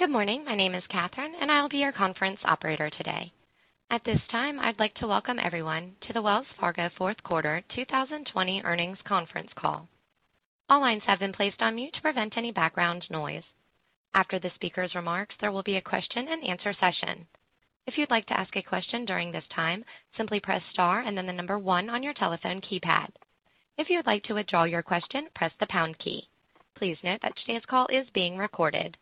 Good morning. My name is Catherine, and I'll be your conference operator today. At this time, I'd like to welcome everyone to the Wells Fargo Fourth Quarter 2020 Earnings Conference Call. All lines have been placed on mute to prevent any background noise. After the speaker's remarks, there will be a question-and-answer session. If you'd like to ask a question during this time, simply press the star and then the number one on your telephone keypad. If you would like to withdraw your question, press the pound key. Please note that today's call is being recorded.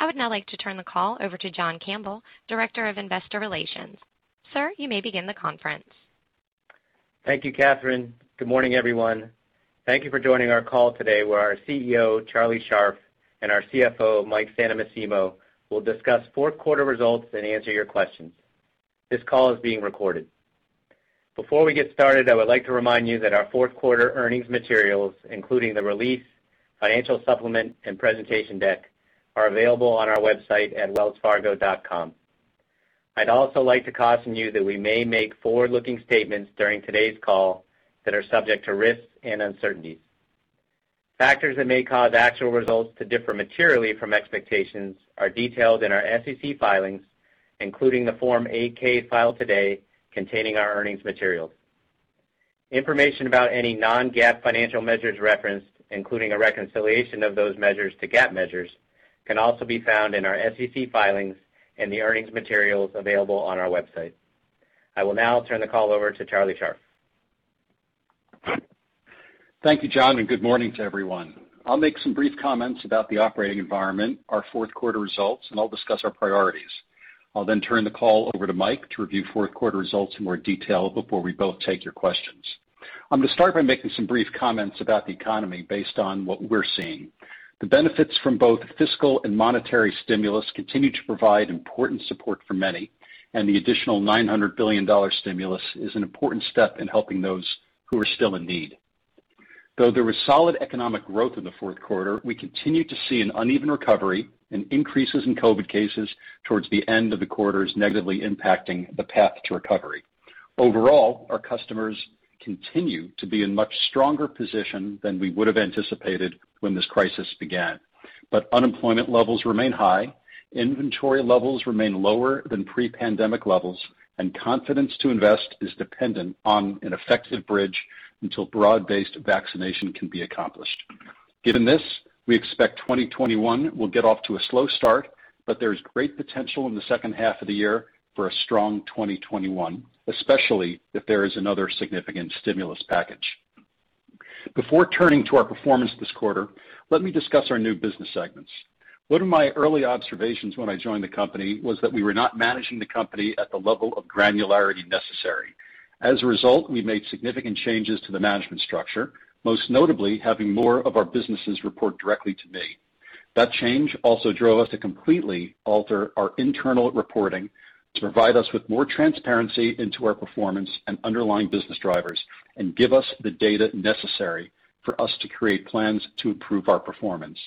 I would now like to turn the call over to John Campbell, Director of Investor Relations. Sir, you may begin the conference. Thank you, Catherine. Good morning, everyone. Thank you for joining our call today, where our CEO, Charlie Scharf, and our CFO, Mike Santomassimo, will discuss fourth quarter results and answer your questions. This call is being recorded. Before we get started, I would like to remind you that our fourth quarter earnings materials, including the release, financial supplement, and presentation deck, are available on our website at wellsfargo.com. I'd also like to caution you that we may make forward-looking statements during today's call that are subject to risks and uncertainties. Factors that may cause actual results to differ materially from expectations are detailed in our SEC filings, including the Form 8-K filed today containing our earnings materials. Information about any non-GAAP financial measures referenced, including a reconciliation of those measures to GAAP measures, can also be found in our SEC filings and the earnings materials available on our website. I will now turn the call over to Charlie Scharf. Thank you, John, good morning to everyone. I'll make some brief comments about the operating environment and our fourth quarter results, and I'll discuss our priorities. I'll turn the call over to Mike to review fourth quarter results in more detail before we both take your questions. I'm going to start by making some brief comments about the economy based on what we're seeing. The benefits from both fiscal and monetary stimulus continue to provide important support for many, and the additional $900 billion stimulus is an important step in helping those who are still in need. Though there was solid economic growth in the fourth quarter, we continue to see an uneven recovery, and increases in COVID cases towards the end of the quarter are negatively impacting the path to recovery. Overall, our customers continue to be in a much stronger position than we would've anticipated when this crisis began. Unemployment levels remain high, inventory levels remain lower than pre-pandemic levels, and confidence to invest is dependent on an effective bridge until broad-based vaccination can be accomplished. Given this, we expect 2021 will get off to a slow start, but there's great potential in the second half of the year for a strong 2021, especially if there is another significant stimulus package. Before turning to our performance this quarter, let me discuss our new business segments. One of my early observations when I joined the company was that we were not managing the company at the level of granularity necessary. As a result, we made significant changes to the management structure, most notably having more of our businesses report directly to me. That change also drove us to completely alter our internal reporting to provide us with more transparency into our performance and underlying business drivers and give us the data necessary for us to create plans to improve our performance.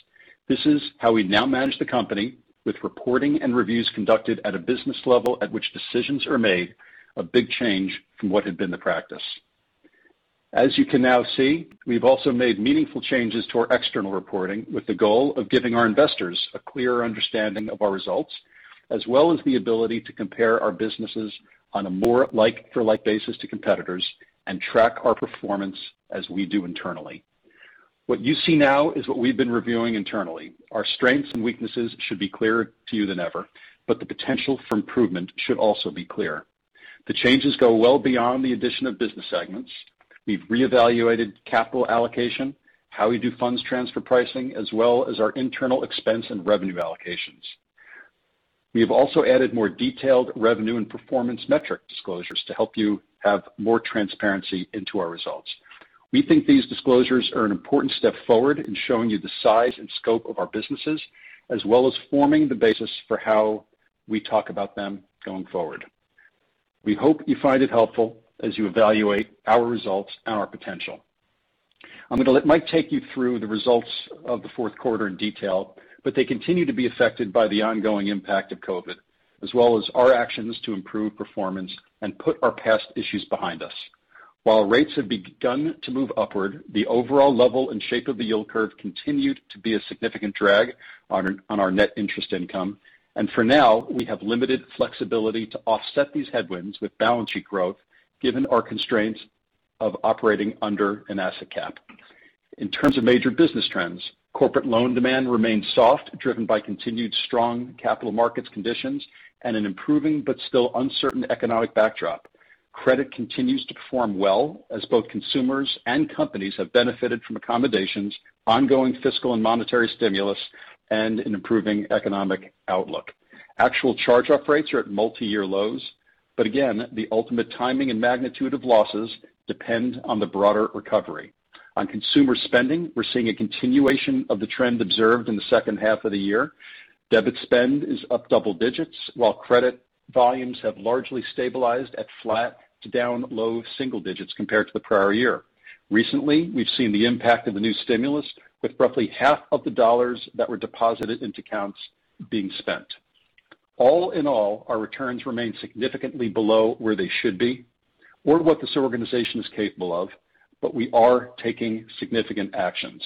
This is how we now manage the company, with reporting and reviews conducted at a business level at which decisions are made, a big change from what had been the practice. As you can now see, we've also made meaningful changes to our external reporting with the goal of giving our investors a clearer understanding of our results, as well as the ability to compare our businesses on a more like-for-like basis to competitors and track our performance as we do internally. What you see now is what we've been reviewing internally. Our strengths and weaknesses should be clearer to you than ever, but the potential for improvement should also be clear. The changes go well beyond the addition of business segments. We've reevaluated capital allocation and how we do funds transfer pricing, as well as our internal expense and revenue allocations. We have also added more detailed revenue and performance metric disclosures to help you have more transparency into our results. We think these disclosures are an important step forward in showing you the size and scope of our businesses, as well as forming the basis for how we talk about them going forward. We hope you find it helpful as you evaluate our results and our potential. I'm going to let Mike take you through the results of the fourth quarter in detail, but they continue to be affected by the ongoing impact of COVID, as well as our actions to improve performance and put our past issues behind us. While rates have begun to move upward, the overall level and shape of the yield curve continue to be a significant drag on our net interest income. For now, we have limited flexibility to offset these headwinds with balance sheet growth given our constraints of operating under an asset cap. In terms of major business trends, corporate loan demand remains soft, driven by continued strong capital markets conditions and an improving but still uncertain economic backdrop. Credit continues to perform well as both consumers and companies have benefited from accommodations, ongoing fiscal and monetary stimulus, and an improving economic outlook. Actual charge-off rates are at multi-year lows, again, the ultimate timing and magnitude of losses depend on the broader recovery. On consumer spending, we're seeing a continuation of the trend observed in the second half of the year. Debit spending is up double-digits, while credit volumes have largely stabilized at flat to low-single-digits compared to the prior year. Recently, we've seen the impact of the new stimulus, with roughly half of the dollars that were deposited into accounts being spent. All in all, our returns remain significantly below where they should be or what this organization is capable of, we are taking significant actions.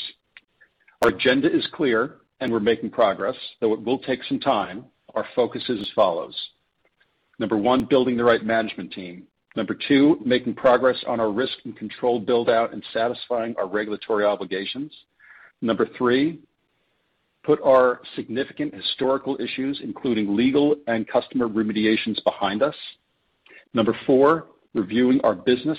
Our agenda is clear, we're making progress, though it will take some time. Our focus is as follows. Number one, building the right management team. Number two, making progress on our risk and control build-out and satisfying our regulatory obligations. Number three, put our significant historical issues, including legal and customer remediations, behind us. Number four, reviewing our business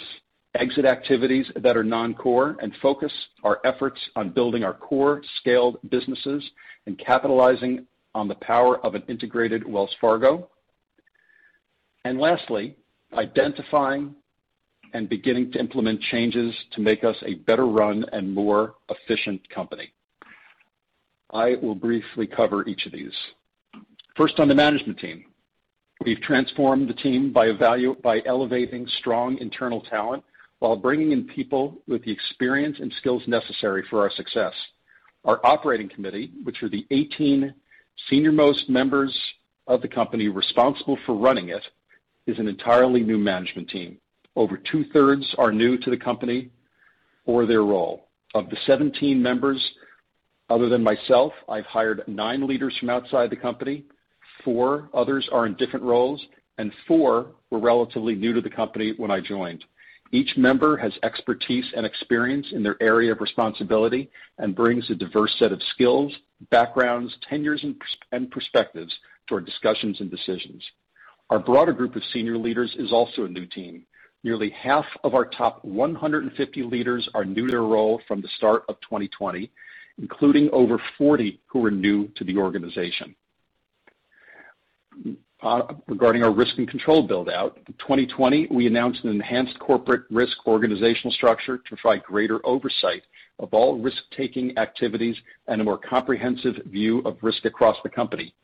exit activities that are non-core, focus our efforts on building our core scaled businesses and capitalizing on the power of an integrated Wells Fargo. Lastly, identifying and beginning to implement changes to make us a better-run and more efficient company. I will briefly cover each of these. First on the management team. We've transformed the team by elevating strong internal talent while bringing in people with the experience and skills necessary for our success. Our Operating Committee, which are the 18 senior-most members of the company responsible for running it, is an entirely new management team. Over two-thirds are new to the company or their role. Of the 17 members other than myself, I've hired nine leaders from outside the company, four others are in different roles, and four were relatively new to the company when I joined. Each member has expertise and experience in their area of responsibility and brings a diverse set of skills, backgrounds, tenures, and perspectives to our discussions and decisions. Our broader group of senior leaders is also a new team. Nearly half of our top 150 leaders are new to their role from the start of 2020, including over 40 who are new to the organization. Regarding our risk and control build-out, in 2020, we announced an enhanced corporate risk organizational structure to provide greater oversight of all risk-taking activities and a more comprehensive view of risk across the company.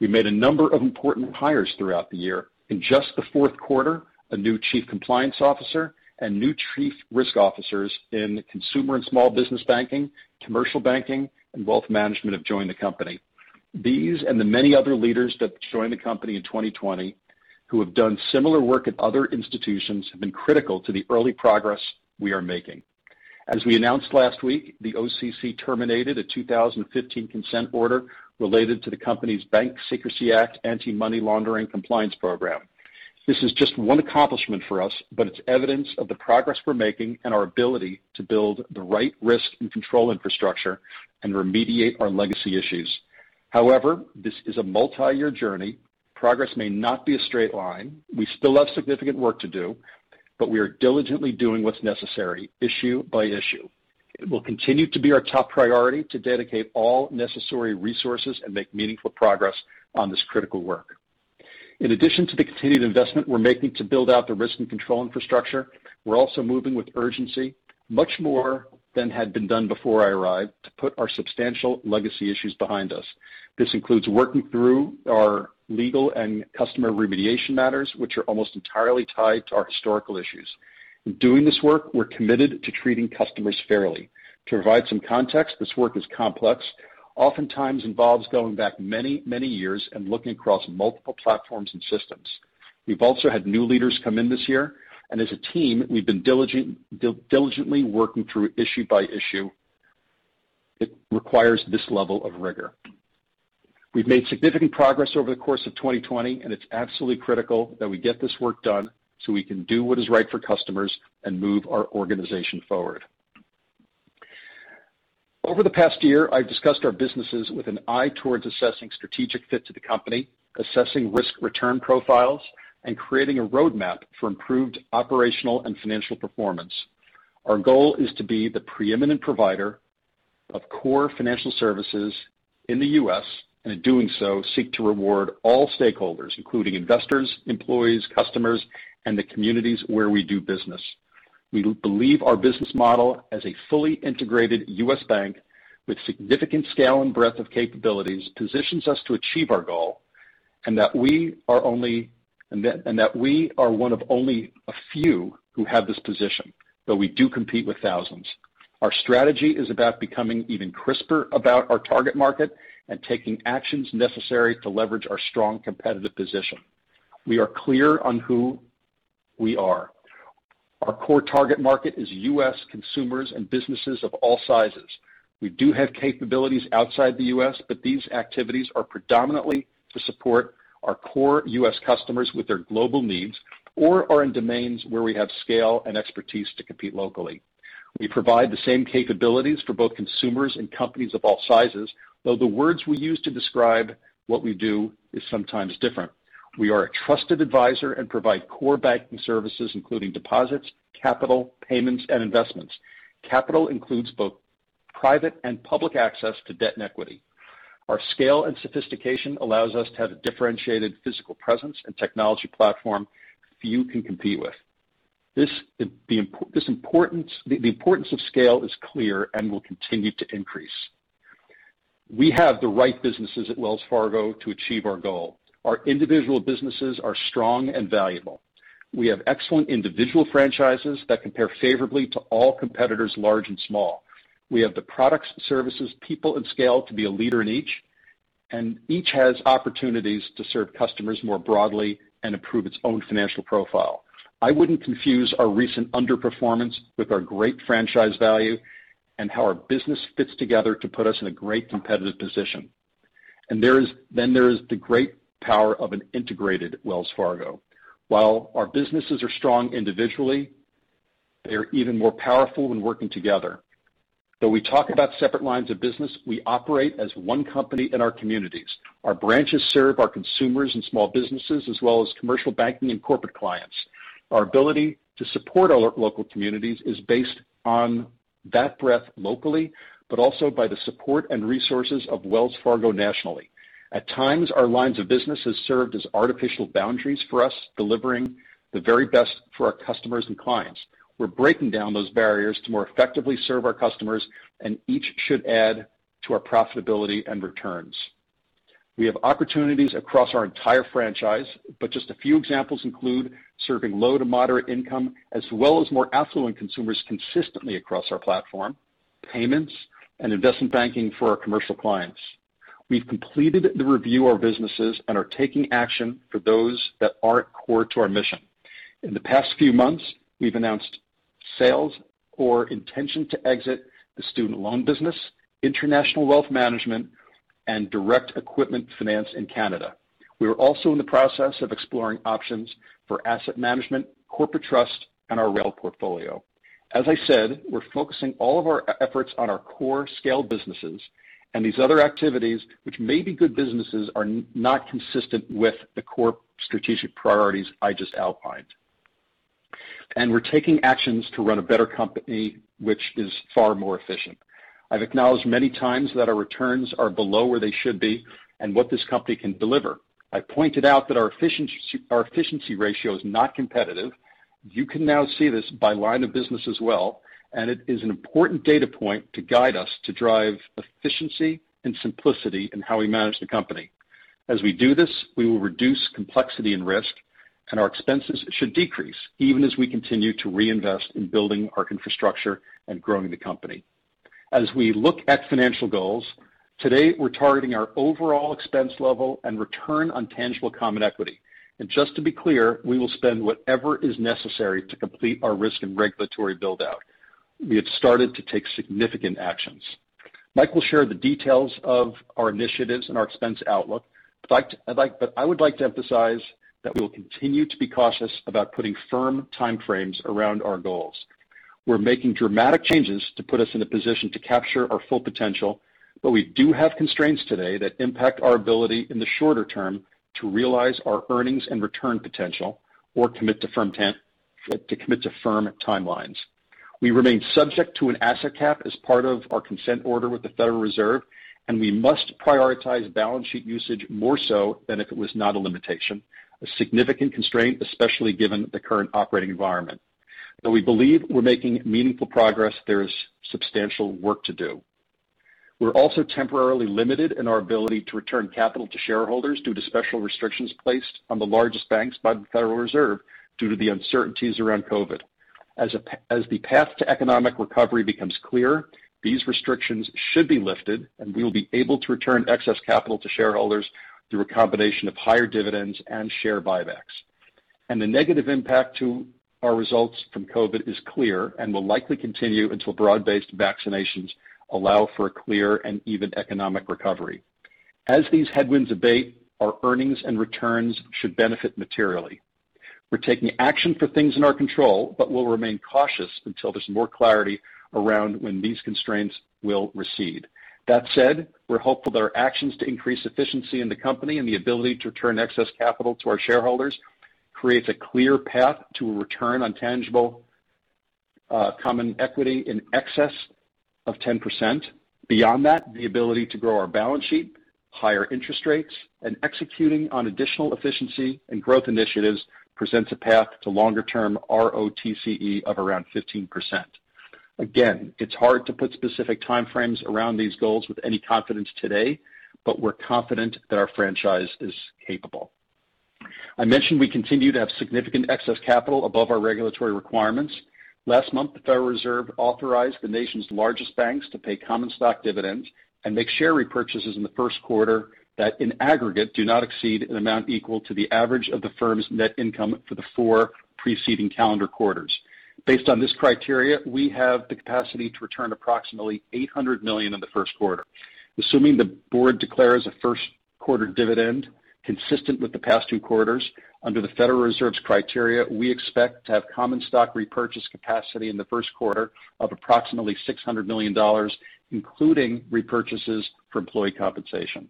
We made a number of important hires throughout the year. In just the fourth quarter, a new chief compliance officer and new chief risk officers in consumer and small business banking, commercial banking, and wealth management have joined the company. These and the many other leaders that joined the company in 2020, who have done similar work at other institutions, have been critical to the early progress we are making. We announced last week that the OCC terminated a 2015 consent order related to the company's Bank Secrecy Act Anti-Money Laundering compliance program. This is just one accomplishment for us, but it's evidence of the progress we're making and our ability to build the right risk and control infrastructure and remediate our legacy issues. This is a multi-year journey. Progress may not be a straight line. We still have significant work to do, but we are diligently doing what's necessary, issue by issue. It will continue to be our top priority to dedicate all necessary resources and make meaningful progress on this critical work. In addition to the continued investment we're making to build out the risk and control infrastructure, we're also moving with urgency, much more than had been done before I arrived, to put our substantial legacy issues behind us. This includes working through our legal and customer remediation matters, which are almost entirely tied to our historical issues. In doing this work, we're committed to treating customers fairly. To provide some context, this work is complex, oftentimes involving going back many years and looking across multiple platforms and systems. We've also had new leaders come in this year, and as a team, we've been diligently working through issue by issue. It requires this level of rigor. We've made significant progress over the course of 2020, and it's absolutely critical that we get this work done so we can do what is right for customers and move our organization forward. Over the past year, I've discussed our businesses with an eye towards assessing strategic fit with the company, assessing risk-return profiles, and creating a roadmap for improved operational and financial performance. Our goal is to be the preeminent provider of core financial services in the U.S., and in doing so, seek to reward all stakeholders, including investors, employees, customers, and the communities where we do business. We believe our business model as a fully integrated U.S. bank with significant scale and breadth of capabilities positions us to achieve our goal, and that we are one of only a few who have this position, though we do compete with thousands. Our strategy is about becoming even crisper about our target market and taking actions necessary to leverage our strong competitive position. We are clear on who we are. Our core target market is U.S. consumers and businesses of all sizes. We do have capabilities outside the U.S., but these activities are predominantly to support our core U.S. customers with their global needs or are in domains where we have scale and expertise to compete locally. We provide the same capabilities for both consumers and companies of all sizes, though the words we use to describe what we do are sometimes different. We are a trusted advisor and provide core banking services, including deposits, capital, payments, and investments. Capital includes both private and public access to debt and equity. Our scale and sophistication allow us to have a differentiated physical presence and technology platform few can compete with. The importance of scale is clear and will continue to increase. We have the right businesses at Wells Fargo to achieve our goal. Our individual businesses are strong and valuable. We have excellent individual franchises that compare favorably to all competitors, large and small. We have the products, services, people, and scale to be a leader in each, and each has opportunities to serve customers more broadly and improve its own financial profile. I wouldn't confuse our recent underperformance with our great franchise value and how our business fits together to put us in a great competitive position. There's the great power of an integrated Wells Fargo. While our businesses are strong individually, they're even more powerful when working together. We talk about separate lines of business, we operate as one company in our communities. Our branches serve our consumers and small businesses, as well as Commercial Banking and corporate clients. Our ability to support our local communities is based on that breadth locally but also on the support and resources of Wells Fargo nationally. At times, our lines of business have served as artificial boundaries for us, delivering the very best for our customers and clients. We're breaking down those barriers to more effectively serve our customers, and each should add to our profitability and returns. We have opportunities across our entire franchise, but just a few examples include serving low- to moderate-income as well as more affluent consumers consistently across our platform, payments, and investment banking for our commercial clients. We've completed the review of our businesses and are taking action for those that aren't core to our mission. In the past few months, we've announced sales or intention to exit the student loan business, international wealth management, and direct equipment finance in Canada. We are also in the process of exploring options for asset management, corporate trust, and our rail portfolio. As I said, we're focusing all of our efforts on our core scale businesses, and these other activities, which may be good businesses, are not consistent with the core strategic priorities I just outlined. We're taking actions to run a better company, which is far more efficient. I've acknowledged many times that our returns are below where they should be and what this company can deliver. I pointed out that our efficiency ratio is not competitive. You can now see this by line of business as well, and it is an important data point to guide us to drive efficiency and simplicity in how we manage the company. As we do this, we will reduce complexity and risk, and our expenses should decrease, even as we continue to reinvest in building our infrastructure and growing the company. As we look at financial goals, today, we're targeting our overall expense level and return on tangible common equity. Just to be clear, we will spend whatever is necessary to complete our risk and regulatory build-out. We have started to take significant actions. Mike will share the details of our initiatives and our expense outlook, but I would like to emphasize that we will continue to be cautious about putting firm time frames around our goals. We're making dramatic changes to put us in a position to capture our full potential, but we do have constraints today that impact our ability in the shorter term to realize our earnings and return potential or to commit to firm timelines. We remain subject to an asset cap as part of our consent order with the Federal Reserve, and we must prioritize balance sheet usage more so than if it were not a limitation, a significant constraint, especially given the current operating environment. Though we believe we're making meaningful progress, there is substantial work to do. We're also temporarily limited in our ability to return capital to shareholders due to special restrictions placed on the largest banks by the Federal Reserve due to the uncertainties around COVID. As the path to economic recovery becomes clear, these restrictions should be lifted, we will be able to return excess capital to shareholders through a combination of higher dividends and share buybacks. The negative impact to our results from COVID is clear and will likely continue until broad-based vaccinations allow for a clear and even economic recovery. As these headwinds abate, our earnings and returns should benefit materially. We're taking action for things in our control, but we'll remain cautious until there's more clarity around when these constraints will recede. That said, we're hopeful that our actions to increase efficiency in the company and the ability to return excess capital to our shareholders create a clear path to a return on tangible common equity in excess of 10%. Beyond that, the ability to grow our balance sheet, higher interest rates, and executing on additional efficiency and growth initiatives present a path to longer-term ROTCE of around 15%. Again, it's hard to put specific time frames around these goals with any confidence today, but we're confident that our franchise is capable. I mentioned that we continued to have significant excess capital above our regulatory requirements. Last month, the Federal Reserve authorized the nation's largest banks to pay common stock dividends and make share repurchases in the first quarter that, in aggregate, do not exceed an amount equal to the average of the firm's net income for the four preceding calendar quarters. Based on this criteria, we have the capacity to return approximately $800 million in the first quarter. Assuming the board declares a first quarter dividend consistent with the past two quarters, under the Federal Reserve's criteria, we expect to have common stock repurchase capacity in the first quarter of approximately $600 million, including repurchases for employee compensation.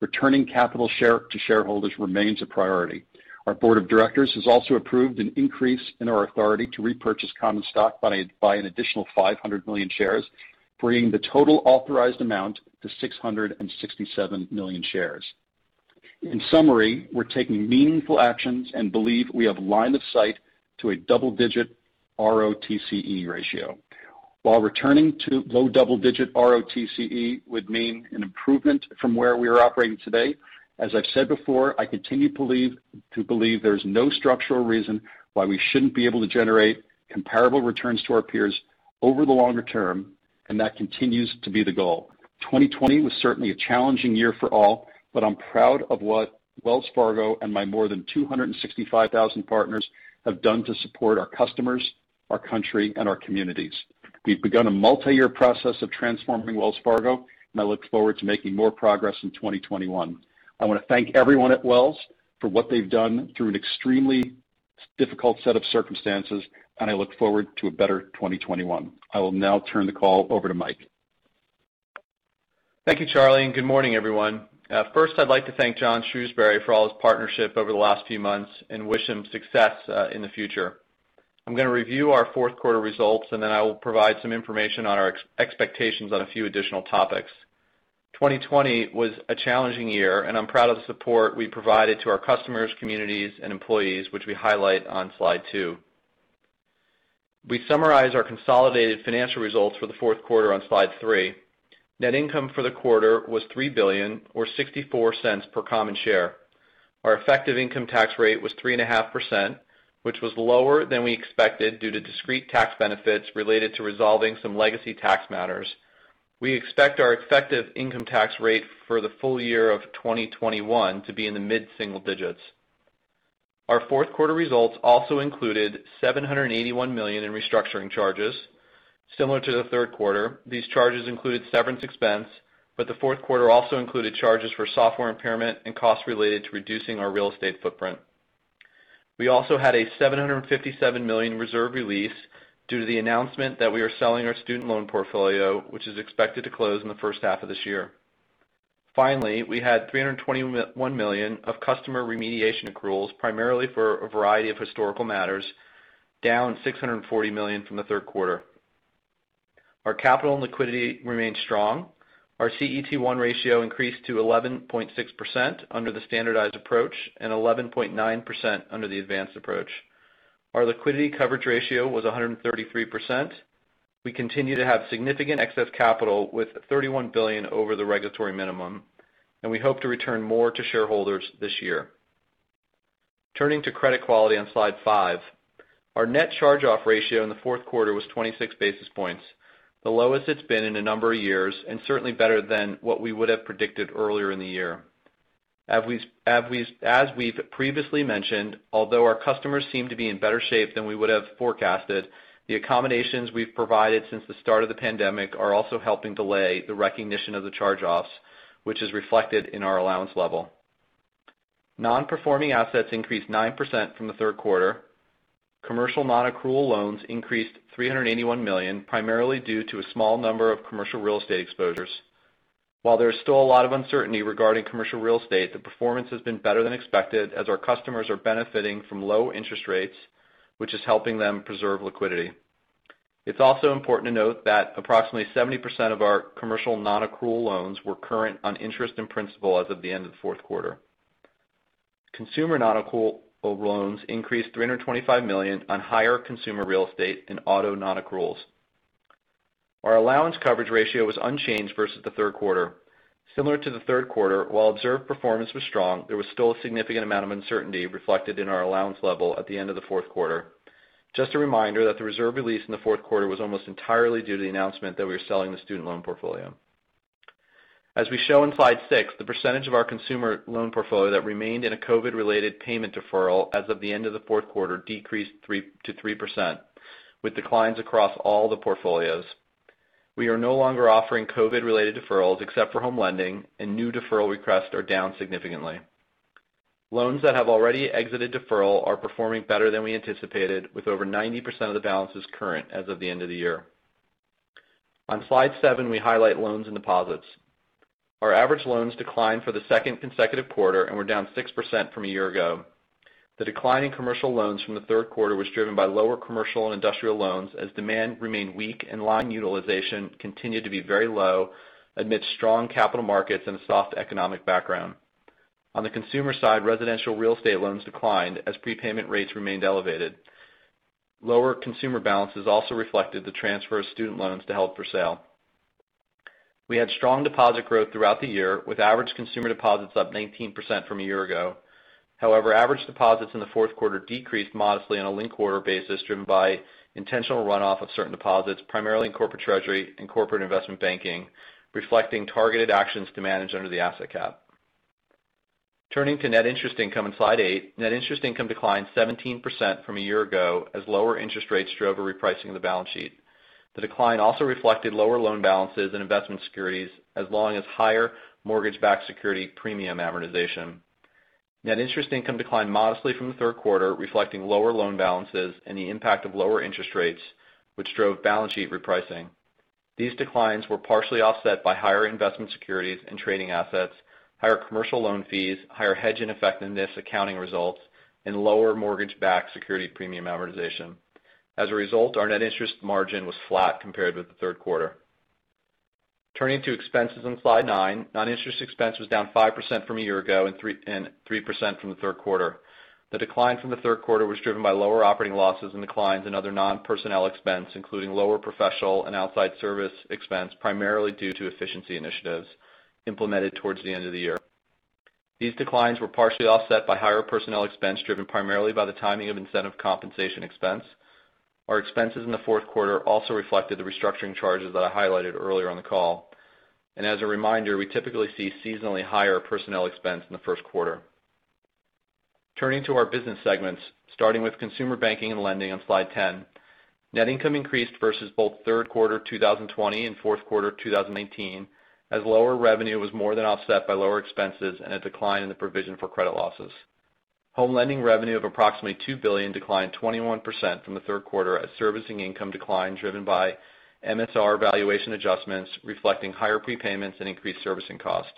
Returning capital to shareholders remains a priority. Our board of directors has also approved an increase in our authority to repurchase common stock by an additional 500 million shares, bringing the total authorized amount to 667 million shares. In summary, we're taking meaningful actions and believe we have line of sight to a double-digit ROTCE ratio. While returning to low-double-digit ROTCE would mean an improvement from where we are operating today. As I've said before, I continue to believe there's no structural reason why we shouldn't be able to generate comparable returns to our peers over the longer term, and that continues to be the goal. 2020 was certainly a challenging year for all, but I'm proud of what Wells Fargo and my more than 265,000 partners have done to support our customers, our country, and our communities. We've begun a multi-year process of transforming Wells Fargo, and I look forward to making more progress in 2021. I want to thank everyone at Wells for what they've done through an extremely difficult set of circumstances, and I look forward to a better 2021. I will now turn the call over to Mike. Thank you, Charlie. Good morning, everyone. First, I'd like to thank John Shrewsberry for all his partnership over the last few months and wish him success in the future. I'm going to review our fourth quarter results. Then I will provide some information on our expectations on a few additional topics. 2020 was a challenging year. I'm proud of the support we provided to our customers, communities, and employees, which we highlight on slide two. We summarize our consolidated financial results for the fourth quarter on slide three. Net income for the quarter was $3 billion, or $0.64 per common share. Our effective income tax rate was 3.5%, which was lower than we expected due to discrete tax benefits related to resolving some legacy tax matters. We expect our effective income tax rate for the full year of 2021 to be in the mid-single-digits. Our fourth quarter results also included $781 million in restructuring charges. Similar to the third quarter, these charges included severance expense, but the fourth quarter also included charges for software impairment and costs related to reducing our real estate footprint. We also had a $757 million reserve release due to the announcement that we are selling our student loan portfolio, which is expected to close in the first half of this year. Finally, we had $321 million of customer remediation accruals, primarily for a variety of historical matters, down $640 million from the third quarter. Our capital and liquidity remained strong. Our CET1 ratio increased to 11.6% under the standardized approach and 11.9% under the advanced approach. Our liquidity coverage ratio was 133%. We continue to have significant excess capital with $31 billion over the regulatory minimum, and we hope to return more to shareholders this year. Turning to credit quality on slide five. Our net charge-off ratio in the fourth quarter was 26 basis points, the lowest it's been in a number of years, and certainly better than what we would have predicted earlier in the year. As we've previously mentioned, although our customers seem to be in better shape than we would have forecasted, the accommodations we've provided since the start of the pandemic are also helping delay the recognition of the charge-offs, which is reflected in our allowance level. Non-performing assets increased 9% from the third quarter. Commercial non-accrual loans increased $381 million, primarily due to a small number of commercial real estate exposures. While there is still a lot of uncertainty regarding commercial real estate, the performance has been better than expected as our customers are benefiting from low interest rates, which is helping them preserve liquidity. It's also important to note that approximately 70% of our commercial non-accrual loans were current on interest and principal as of the end of the fourth quarter. Consumer non-accrual loans increased $325 million on higher consumer real estate and auto non-accruals. Our allowance coverage ratio was unchanged versus the third quarter. Similar to the third quarter, while observed performance was strong, there was still a significant amount of uncertainty reflected in our allowance level at the end of the fourth quarter. Just a reminder that the reserve release in the fourth quarter was almost entirely due to the announcement that we are selling the student loan portfolio. As we show in slide six, the percentage of our consumer loan portfolio that remained in a COVID-related payment deferral as of the end of the fourth quarter decreased to 3%, with declines across all the portfolios. We are no longer offering COVID-related deferrals except for Home Lending. New deferral requests are down significantly. Loans that have already exited deferral are performing better than we anticipated, with over 90% of the balances current as of the end of the year. On slide seven, we highlight loans and deposits. Our average loans declined for the second consecutive quarter and were down 6% from a year ago. The decline in commercial loans from the third quarter was driven by lower commercial and industrial loans as demand remained weak and line utilization continued to be very low amidst strong capital markets and a soft economic background. On the consumer side, residential real estate loans declined as prepayment rates remained elevated. Lower consumer balances also reflected the transfer of student loans to be held for sale. We had strong deposit growth throughout the year, with average consumer deposits up 19% from a year ago. Average deposits in the fourth quarter decreased modestly on a linked-quarter basis, driven by intentional runoff of certain deposits, primarily in corporate treasury and Corporate and Investment Banking, reflecting targeted actions to manage under the asset cap. Turning to net interest income on slide eight. Net interest income declined 17% from a year ago as lower interest rates drove a repricing of the balance sheet. The decline also reflected lower loan balances and investment securities as well as higher mortgage-backed security premium amortization. Net interest income declined modestly from the third quarter, reflecting lower loan balances and the impact of lower interest rates, which drove balance sheet repricing. These declines were partially offset by higher investment securities and trading assets, higher commercial loan fees, higher hedge ineffectiveness accounting results, and lower mortgage-backed security premium amortization. Our net interest margin was flat compared with the third quarter. Turning to expenses on slide nine. Non-interest expense was down 5% from a year ago and 3% from the third quarter. The decline from the third quarter was driven by lower operating losses and declines in other non-personnel expense, including lower professional and outside service expense, primarily due to efficiency initiatives implemented towards the end of the year. These declines were partially offset by higher personnel expense, driven primarily by the timing of incentive compensation expense. Our expenses in the fourth quarter also reflected the restructuring charges that I highlighted earlier on the call. As a reminder, we typically see seasonally higher personnel expenses in the first quarter. Turning to our business segments, starting with Consumer Banking and Lending on slide 10. Net income increased versus both third quarter 2020 and fourth quarter 2019, as lower revenue was more than offset by lower expenses and a decline in the provision for credit losses. Home Lending revenue of approximately $2 billion declined 21% from the third quarter as servicing income declined, driven by MSR valuation adjustments reflecting higher prepayments and increased servicing costs.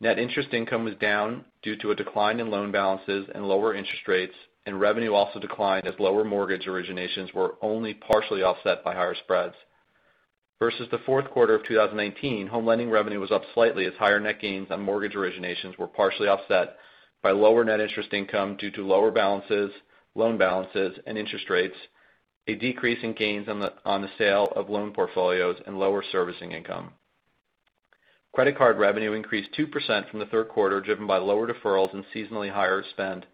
Net Interest Income was down due to a decline in loan balances and lower interest rates, and revenue also declined as lower mortgage originations were only partially offset by higher spreads. Versus the fourth quarter of 2019, Home Lending revenue was up slightly as higher net gains on mortgage originations were partially offset by lower net interest income due to lower balances, loan balances, and interest rates, a decrease in gains on the sale of loan portfolios, and lower servicing income. Credit card revenue increased 2% from the third quarter, driven by lower deferrals and seasonally higher spend.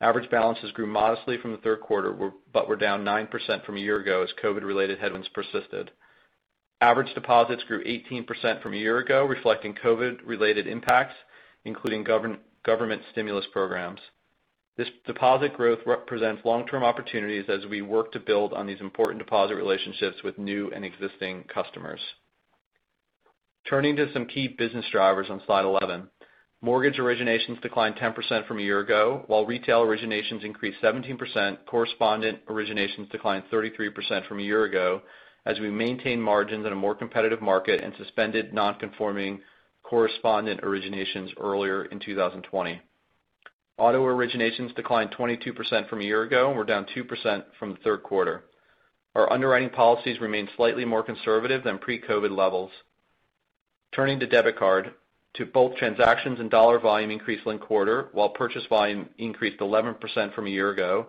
Average balances grew modestly from the third quarter but were down 9% from a year ago as COVID-related headwinds persisted. Average deposits grew 18% from a year ago, reflecting COVID-related impacts, including government stimulus programs. This deposit growth represents long-term opportunities as we work to build on these important deposit relationships with new and existing customers. Turning to some key business drivers on slide 11. Mortgage originations declined 10% from a year ago, while retail originations increased 17%. Correspondent originations declined 33% from a year ago, as we maintained margins in a more competitive market and suspended non-conforming correspondent originations earlier in 2020. Auto originations declined 22% from a year ago and were down 2% from the third quarter. Our underwriting policies remain slightly more conservative than pre-COVID levels. Turning to a debit card. Both transactions and dollar volume increased in the linked quarter, while purchase volume increased 11% from a year ago.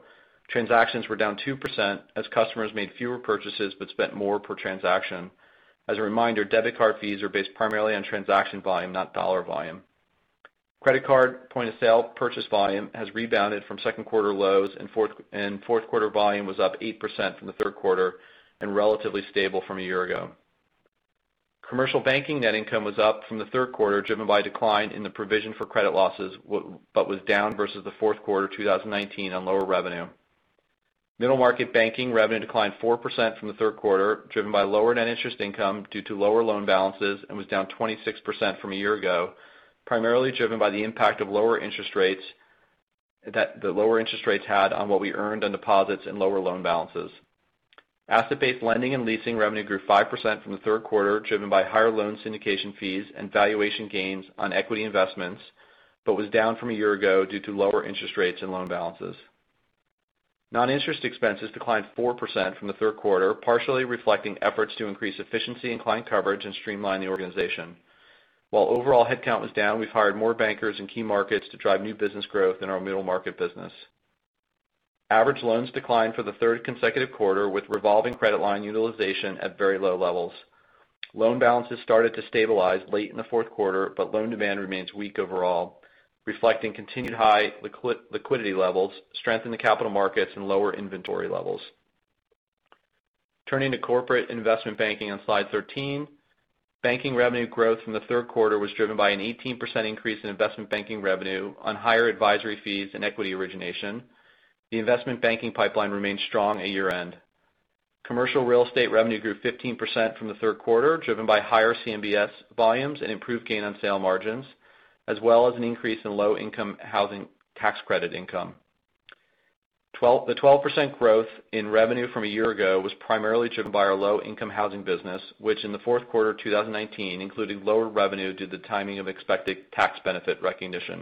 Transactions were down 2% as customers made fewer purchases but spent more per transaction. As a reminder, debit card fees are based primarily on transaction volume, not dollar volume. Credit card point-of-sale purchase volume has rebounded from second-quarter lows, and fourth-quarter volume was up 8% from the third quarter and relatively stable from a year ago. Commercial Banking net income was up from the third quarter, driven by a decline in the provision for credit losses, but was down versus the fourth quarter of 2019 on lower revenue. Middle Market Banking revenue declined 4% from the third quarter, driven by lower net interest income due to lower loan balances, and was down 26% from a year ago, primarily driven by the impact the lower interest rates had on what we earned on deposits and lower loan balances. Asset-based lending and leasing revenue grew 5% from the third quarter, driven by higher loan syndication fees and valuation gains on equity investments, but was down from a year ago due to lower interest rates and loan balances. Non-interest expenses declined 4% from the third quarter, partially reflecting efforts to increase efficiency and client coverage and streamline the organization. While overall headcount was down, we've hired more bankers in key markets to drive new business growth in our middle-market business. Average loans declined for the third consecutive quarter, with revolving credit line utilization at very low levels. Loan balances started to stabilize late in the fourth quarter, but loan demand remains weak overall, reflecting continued high liquidity levels, strength in the capital markets, and lower inventory levels. Turning to Corporate and Investment Banking on slide 13. Banking revenue growth from the third quarter was driven by an 18% increase in investment banking revenue on higher advisory fees and equity origination. The investment banking pipeline remained strong at year-end. Commercial Real Estate revenue grew 15% from the third quarter, driven by higher CMBS volumes and improved gain on sale margins, as well as an increase in low-income housing tax credit income. The 12% growth in revenue from a year ago was primarily driven by our low-income housing business, which in the fourth quarter of 2019 included lower revenue due to the timing of expected tax benefit recognition.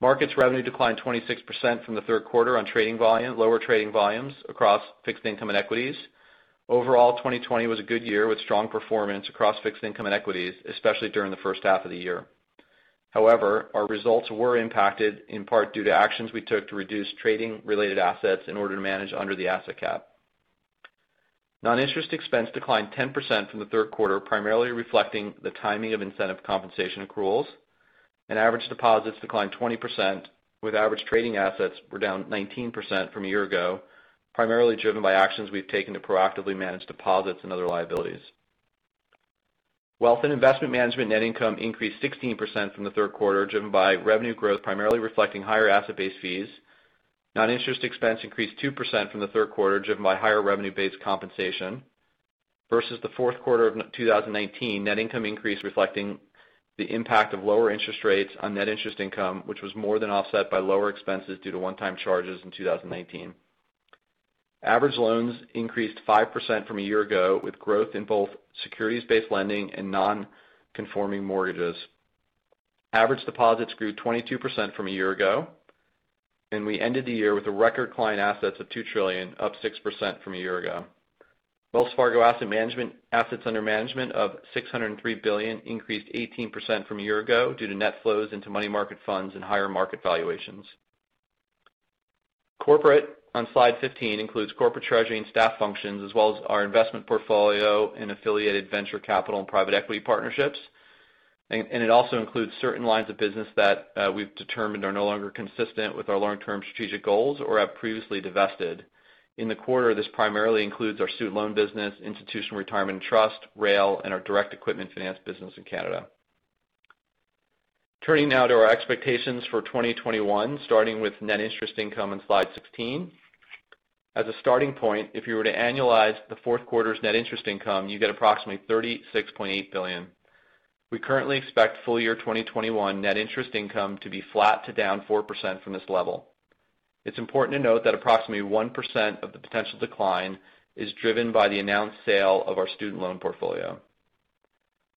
The Market's revenue declined 26% from the third quarter on lower trading volumes across fixed income and equities. Overall, 2020 was a good year with strong performance across fixed income and equities, especially during the first half of the year. However, our results were impacted in part due to actions we took to reduce trading-related assets in order to manage under the asset cap. Non-interest expense declined 10% from the third quarter, primarily reflecting the timing of incentive compensation accruals, and average deposits declined 20%, with average trading assets down 19% from a year ago, primarily driven by actions we've taken to proactively manage deposits and other liabilities. Wealth and Investment Management's net income increased 16% from the third quarter, driven by revenue growth primarily reflecting higher asset-based fees. Non-interest expense increased 2% from the third quarter, driven by higher revenue-based compensation. Versus the fourth quarter of 2019, net income increased, reflecting the impact of lower interest rates on net interest income, which was more than offset by lower expenses due to one-time charges in 2019. Average loans increased 5% from a year ago, with growth in both securities-based lending and non-conforming mortgages. Average deposits grew 22% from a year ago. We ended the year with a record of client assets of $2 trillion, up 6% from a year ago. Wells Fargo assets under management of $603 billion increased 18% from a year ago due to net flows into money market funds and higher market valuations. Corporate on slide 15 includes Corporate Treasury and staff functions as well as our investment portfolio in affiliated venture capital and private equity partnerships. It also includes certain lines of business that we've determined are no longer consistent with our long-term strategic goals or have previously divested. In the quarter, this primarily includes our student loan business, Institutional Retirement Trust, rail, and our direct equipment finance business in Canada. Turning now to our expectations for 2021, starting with net interest income on slide 16. As a starting point, if you were to annualize the fourth quarter's net interest income, you get approximately $36.8 billion. We currently expect full-year 2021 net interest income to be flat to down 4% from this level. It's important to note that approximately 1% of the potential decline is driven by the announced sale of our student loan portfolio.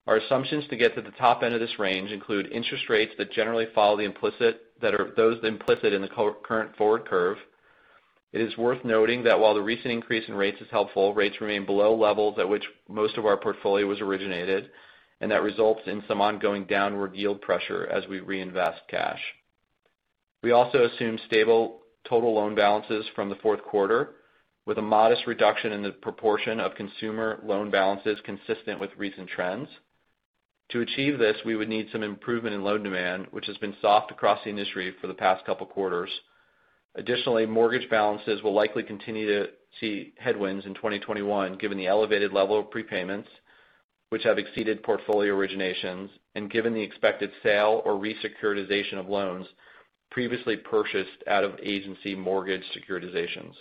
Our assumptions to get to the top end of this range include interest rates that generally follow those that are implicit in the current forward curve. It is worth noting that while the recent increase in rates is helpful, rates remain below levels at which most of our portfolio was originated, and that results in some ongoing downward yield pressure as we reinvest cash. We also assume stable total loan balances from the fourth quarter, with a modest reduction in the proportion of consumer loan balances consistent with recent trends. To achieve this, we would need some improvement in loan demand, which has been soft across the industry for the past couple quarters. Additionally, mortgage balances will likely continue to see headwinds in 2021 given the elevated level of prepayments, which have exceeded portfolio originations and given the expected sale or re-securitization of loans previously purchased out of agency mortgage securitizations.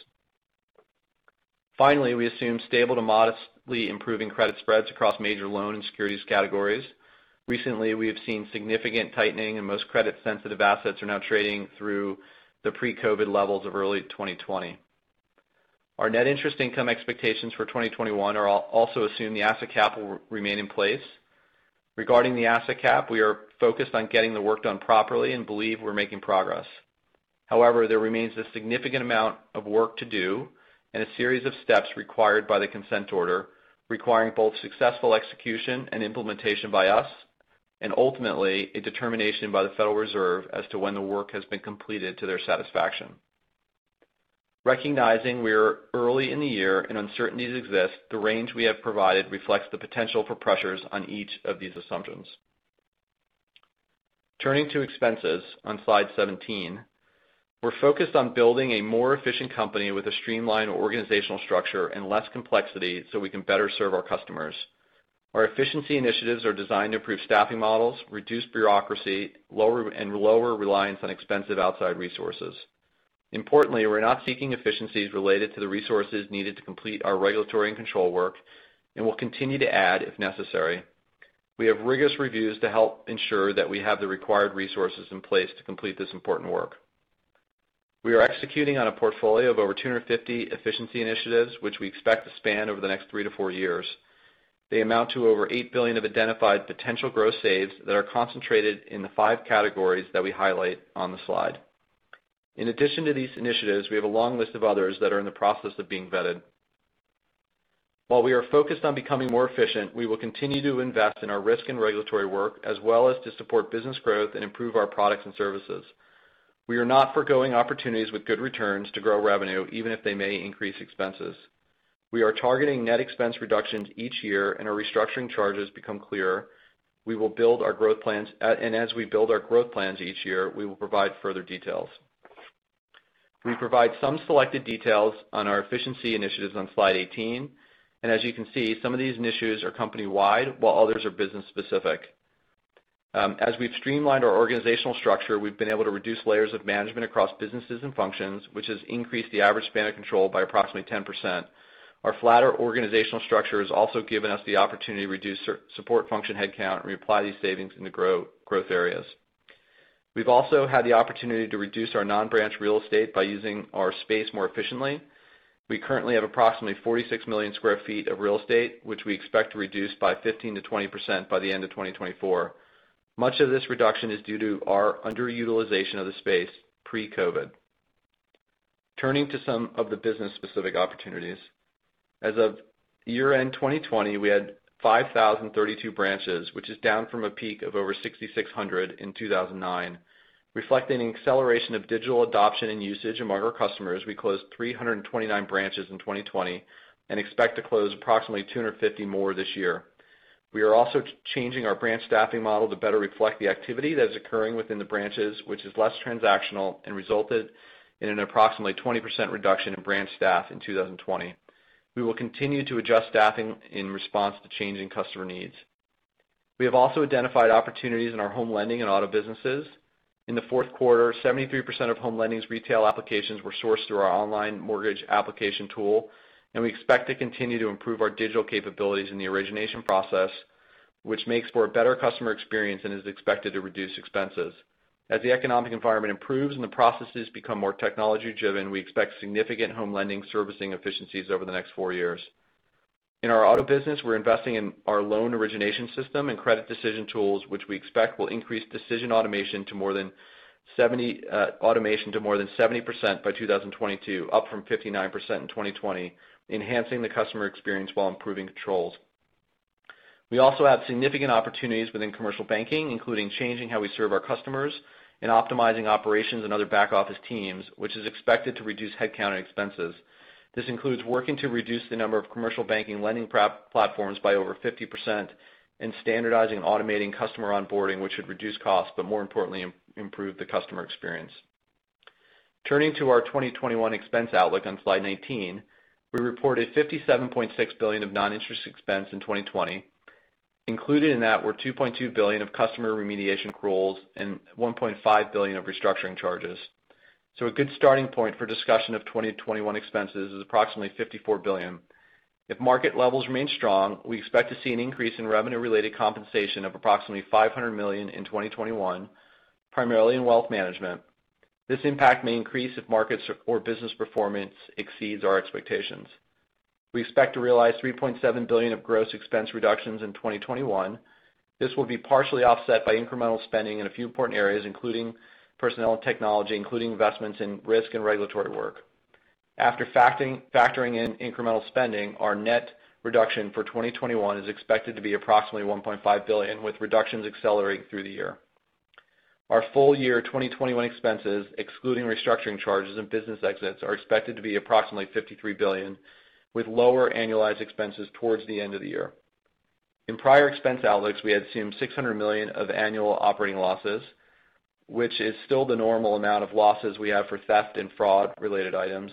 Finally, we assume stable to modestly improving credit spreads across major loan and securities categories. Recently, we have seen significant tightening, and most credit-sensitive assets are now trading below the pre-COVID levels of early 2020. Our net interest income expectations for 2021 also assume the asset cap will remain in place. Regarding the asset cap, we are focused on getting the work done properly and believe we're making progress. There remains a significant amount of work to do and a series of steps required by the consent order, requiring both successful execution and implementation by us and ultimately a determination by the Federal Reserve as to when the work has been completed to their satisfaction. Recognizing we are early in the year and uncertainties exist, the range we have provided reflects the potential for pressures on each of these assumptions. Turning to expenses on slide 17. We're focused on building a more efficient company with a streamlined organizational structure and less complexity so we can better serve our customers. Our efficiency initiatives are designed to improve staffing models, reduce bureaucracy, and lower reliance on expensive outside resources. Importantly, we're not seeking efficiencies related to the resources needed to complete our regulatory and control work and will continue to add if necessary. We have rigorous reviews to help ensure that we have the required resources in place to complete this important work. We are executing on a portfolio of over 250 efficiency initiatives, which we expect to span over the next three to four years. They amount to over $8 billion of identified potential gross saves that are concentrated in the five categories that we highlight on the slide. In addition to these initiatives, we have a long list of others that are in the process of being vetted. While we are focused on becoming more efficient, we will continue to invest in our risk and regulatory work as well as to support business growth and improve our products and services. We are not foregoing opportunities with good returns to grow revenue, even if they may increase expenses. We are targeting net expense reductions each year, and our restructuring charges become clearer. As we build our growth plans each year, we will provide further details. We provide some selected details on our efficiency initiatives on slide 18. As you can see, some of these initiatives are company-wide, while others are business-specific. As we've streamlined our organizational structure, we've been able to reduce layers of management across businesses and functions, which has increased the average span of control by approximately 10%. Our flatter organizational structure has also given us the opportunity to reduce support function headcount and reapply these savings in the growth areas. We've also had the opportunity to reduce our non-branch real estate by using our space more efficiently. We currently have approximately 46 million sq ft of real estate, which we expect to reduce by 15%-20% by the end of 2024. Much of this reduction is due to our underutilization of the space pre-COVID. Turning to some of the business-specific opportunities. As of year-end 2020, we had 5,032 branches, which is down from a peak of over 6,600 branches in 2009. Reflecting an acceleration of digital adoption and usage among our customers, we closed 329 branches in 2020 and expect to close approximately 250 more this year. We are also changing our branch staffing model to better reflect the activity that is occurring within the branches, which is less transactional and resulted in an approximately 20% reduction in branch staff in 2020. We will continue to adjust staffing in response to changing customer needs. We have also identified opportunities in our Home Lending and auto businesses. In the fourth quarter, 73% of Home Lending's retail applications were sourced through our online mortgage application tool, and we expect to continue to improve our digital capabilities in the origination process, which makes for a better customer experience and is expected to reduce expenses. As the economic environment improves and the processes become more technology-driven, we expect significant home lending servicing efficiencies over the next four years. In our auto business, we're investing in our loan origination system and credit decision tools, which we expect will increase decision automation to more than 70% by 2022, up from 59% in 2020, enhancing the customer experience while improving controls. We also have significant opportunities within Commercial Banking, including changing how we serve our customers and optimizing operations and other back-office teams, which is expected to reduce headcount and expenses. This includes working to reduce the number of Commercial Banking lending platforms by over 50% and standardizing and automating customer onboarding, which should reduce costs but, more importantly, improve the customer experience. Turning to our 2021 expense outlook on slide 19, we reported $57.6 billion of non-interest expense in 2020. Included in that were $2.2 billion of customer remediation accruals and $1.5 billion of restructuring charges. A good starting point for discussion of 2021 expenses is approximately $54 billion. If market levels remain strong, we expect to see an increase in revenue-related compensation of approximately $500 million in 2021, primarily in Wealth Management. This impact may increase if markets or business performance exceeds our expectations. We expect to realize $3.7 billion of gross expense reductions in 2021. This will be partially offset by incremental spending in a few important areas, including personnel and technology, including investments in risk and regulatory work. After factoring in incremental spending, our net reduction for 2021 is expected to be approximately $1.5 billion, with reductions accelerating through the year. Our full year 2021 expenses, excluding restructuring charges and business exits, are expected to be approximately $53 billion, with lower annualized expenses towards the end of the year. In prior expense outlooks, we had assumed $600 million of annual operating losses, which is still the normal amount of losses we have for theft and fraud-related items.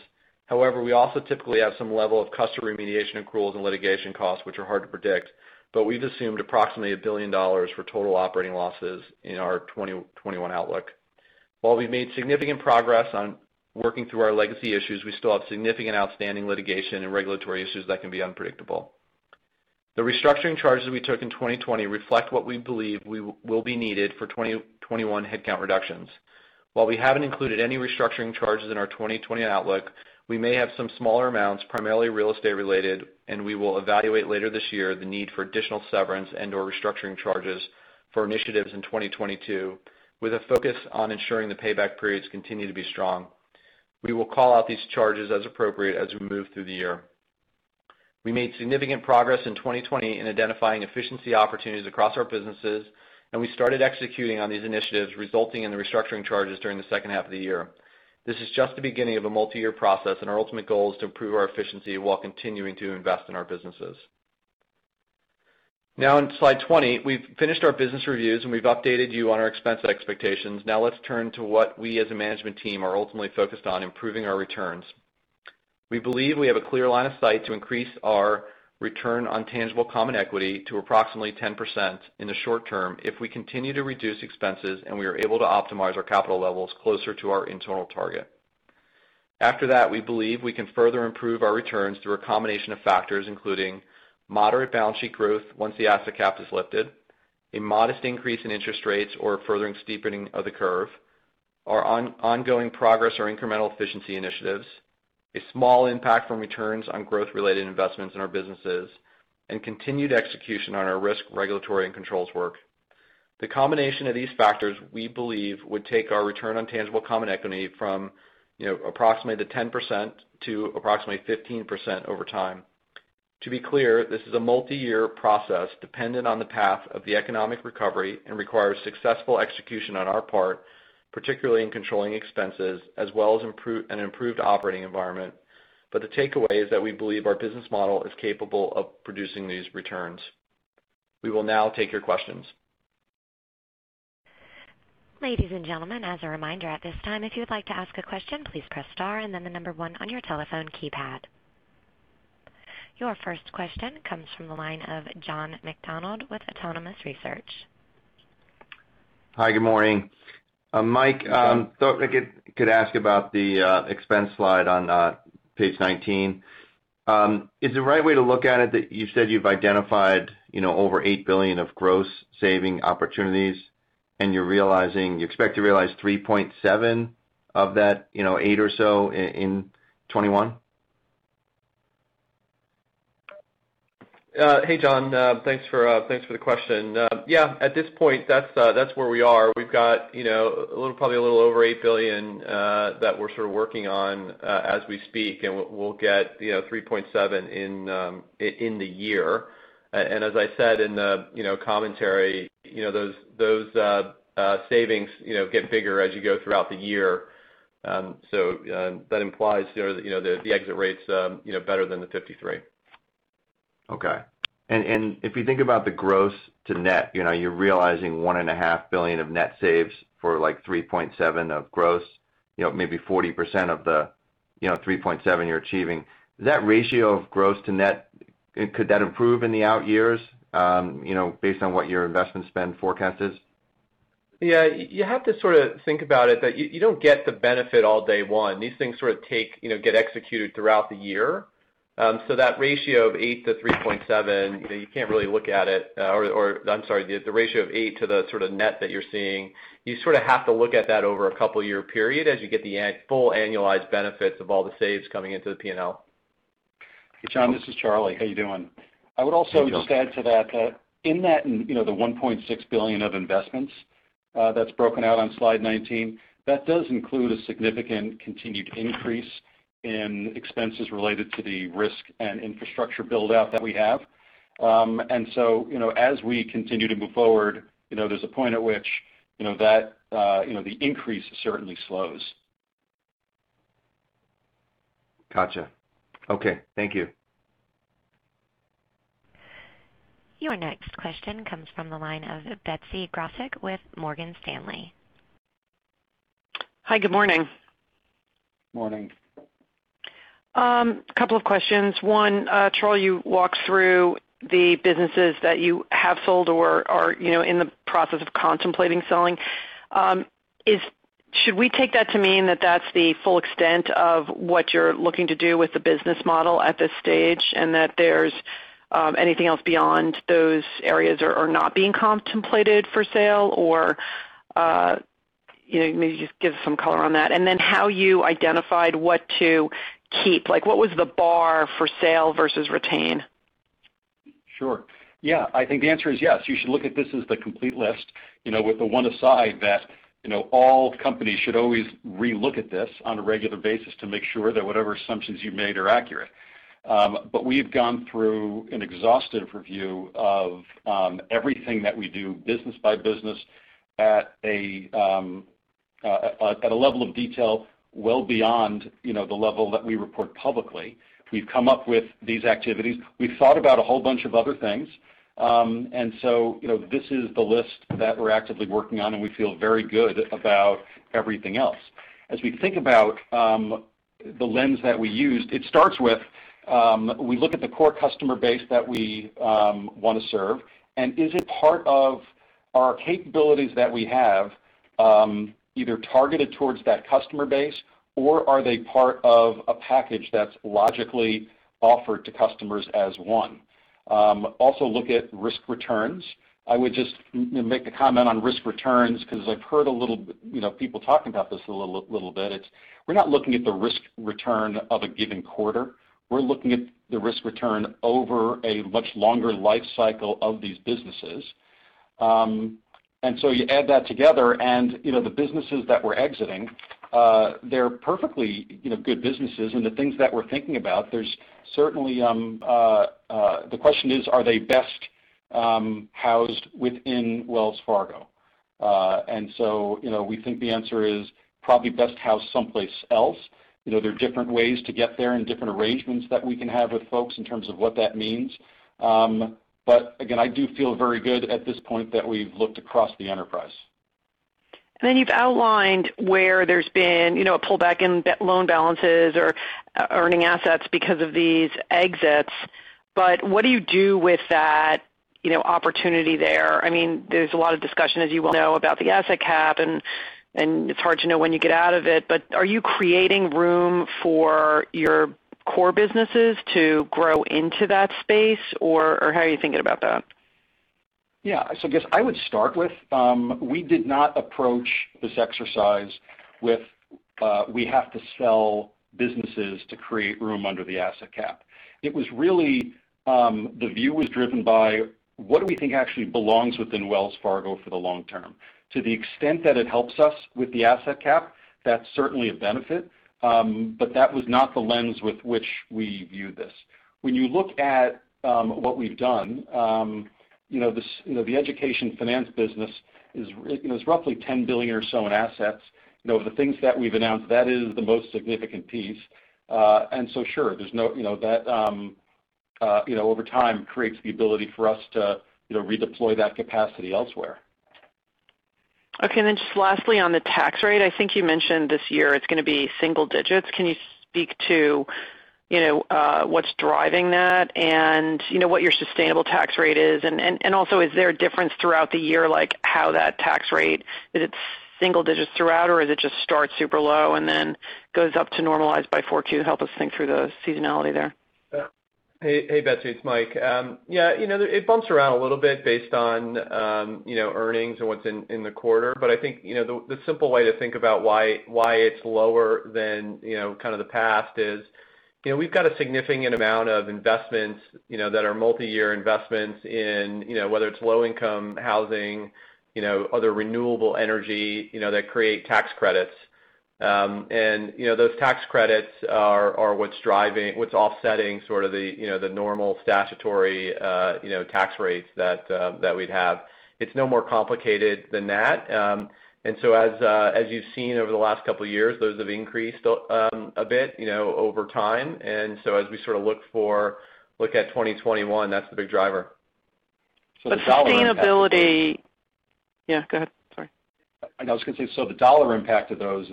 We also typically have some level of customer remediation accruals and litigation costs, which are hard to predict, but we've assumed approximately $1 billion for total operating losses in our 2021 outlook. While we've made significant progress on working through our legacy issues, we still have significant outstanding litigation and regulatory issues that can be unpredictable. The restructuring charges we took in 2020 reflect what we believe will be needed for 2021 headcount reductions. While we haven't included any restructuring charges in our 2020 outlook, we may have some smaller amounts, primarily real estate related, and we will evaluate later this year the need for additional severance and/or restructuring charges for initiatives in 2022, with a focus on ensuring the payback periods continue to be strong. We will call out these charges as appropriate as we move through the year. We made significant progress in 2020 in identifying efficiency opportunities across our businesses, and we started executing on these initiatives, resulting in the restructuring charges during the second half of the year. This is just the beginning of a multi-year process, and our ultimate goal is to improve our efficiency while continuing to invest in our businesses. Now on slide 20, we've finished our business reviews, and we've updated you on our expense expectations. Now let's turn to what we as a management team are ultimately focused on, improving our returns. We believe we have a clear line of sight to increase our return on tangible common equity to approximately 10% in the short term if we continue to reduce expenses and we are able to optimize our capital levels closer to our internal target. After that, we believe we can further improve our returns through a combination of factors, including moderate balance sheet growth once the asset cap is lifted, a modest increase in interest rates or a furthering steepening of the curve, our ongoing progress or incremental efficiency initiatives, a small impact from returns on growth-related investments in our businesses, and continued execution on our risk, regulatory, and controls work. The combination of these factors, we believe, would take our return on tangible common equity from approximately 10%-15% over time. To be clear, this is a multi-year process dependent on the path of the economic recovery and requires successful execution on our part, particularly in controlling expenses as well as an improved operating environment. The takeaway is that we believe our business model is capable of producing these returns. We will now take your questions. Ladies and gentlemen, as a reminder at this time, if you would like to ask a question, please press the star and then the number one on your telephone keypad. Your first question comes from the line of John McDonald with Autonomous Research. Hi, good morning. Mike, I thought I could ask about the expense slide on page 19. Is the right way to look at it that you said you've identified over $8 billion of gross saving opportunities, and you expect to realize $3.7 billion of those $8 or so in 2021? Hey, John. Thanks for the question. Yeah, at this point, that's where we are. We've got probably a little over $8 billion that we're sort of working on as we speak, and we'll get $3.7 in the year. As I said in the commentary, those savings get bigger as you go throughout the year. That implies the exit rate's better than 53. Okay. If you think about the gross to net, you're realizing $1.5 billion of net saves for like $3.7 of gross, maybe 40% of the $3.7 you're achieving. That ratio of gross to net, could that improve in the out years based on what your investment spend forecast is? Yeah. You have to sort of think about it so that you don't get the benefit all day long. These things sort of get executed throughout the year. That ratio of 8:3.7, you can't really look at it, or, I'm sorry, the ratio of eight to the sort of net that you're seeing, you sort of have to look at that over a couple-year period as you get the full annualized benefits of all the saves coming into the P&L. Hey, John, this is Charlie. How are you doing? Hey, Charlie. I would also just add to that, in that the $1.6 billion of investments that's broken out on slide 19, that does include a significant continued increase in expenses related to the risk and infrastructure build-out that we have. As we continue to move forward, there's a point at which the increase certainly slows. Gotcha. Okay. Thank you. Your next question comes from the line of Betsy Graseck with Morgan Stanley. Hi, good morning. Morning. A couple of questions. One, Charlie, you walked through the businesses that you have sold or are in the process of contemplating selling. Should we take that to mean that that's the full extent of what you're looking to do with the business model at this stage, that there's anything else beyond those areas that is not being contemplated for sale, or maybe just give some color on that? Then how you identified what to keep. What was the bar for selling versus retaining? Sure. Yeah, I think the answer is yes. You should look at this as the complete list, with the one aside that all companies should always re-look at this on a regular basis to make sure that whatever assumptions you made are accurate. We've gone through an exhaustive review of everything that we do, business by business, at a level of detail well beyond the level that we report publicly. We've come up with these activities. We've thought about a whole bunch of other things. This is the list that we're actively working on, and we feel very good about everything else. As we think about the lens that we use, it starts with looking at the core customer base that we want to serve, and is it part of our capabilities that we have, either targeted towards that customer base, or are they part of a package that's logically offered to customers as one? Also look at risk returns. I would just make a comment on risk returns because I've heard people talking about this a little bit. We're not looking at the risk return of a given quarter. We're looking at the risk return over a much longer life cycle of these businesses. You add that together, and the businesses that we're exiting are perfectly good businesses, and the things that we're thinking about—the question is, are they best housed within Wells Fargo? We think the answer is probably best housed someplace else. There are different ways to get there and different arrangements that we can have with folks in terms of what that means. Again, I do feel very good at this point that we've looked across the enterprise. You've outlined where there's been a pullback in loan balances or earning assets because of these exits. What do you do with that opportunity there? There's a lot of discussion, as you well know, about the asset cap, and it's hard to know when you get out of it, but are you creating room for your core businesses to grow into that space, or how are you thinking about that? I guess I would start with, we did not approach this exercise with, we have to sell businesses to create room under the asset cap. The view was driven by what do we think actually belongs within Wells Fargo for the long term? To the extent that it helps us with the asset cap, that's certainly a benefit. That was not the lens with which we viewed this. When you look at what we've done, the education finance business is roughly $10 billion or so in assets. Of the things that we've announced, that is the most significant piece. Sure, that over time creates the ability for us to redeploy that capacity elsewhere. Okay, just lastly, on the tax rate, I think you mentioned this year it's going to be single digits. Can you speak to what's driving that and what your sustainable tax rate is? Also, is there a difference throughout the year, like how that tax rate is, or is it single-digits throughout, or does it just start super low and then go up to normalized by 4Q? Help us think through the seasonality there. Hey, Betsy, it's Mike. It bumps around a little bit based on earnings and what's in the quarter. I think the simple way to think about why it's lower than in the past is we've got a significant amount of investments that are multi-year investments, whether it's low-income housing or other renewable energy that creates tax credits. Those tax credits are what's offsetting sort of the normal statutory tax rates that we'd have. It's no more complicated than that. As you've seen over the last couple of years, those have increased a bit over time. As we sort of look at 2021, that's the big driver. The sustainability- The dollar impact- Yeah, go ahead. Sorry. I was going to say the dollar impact of those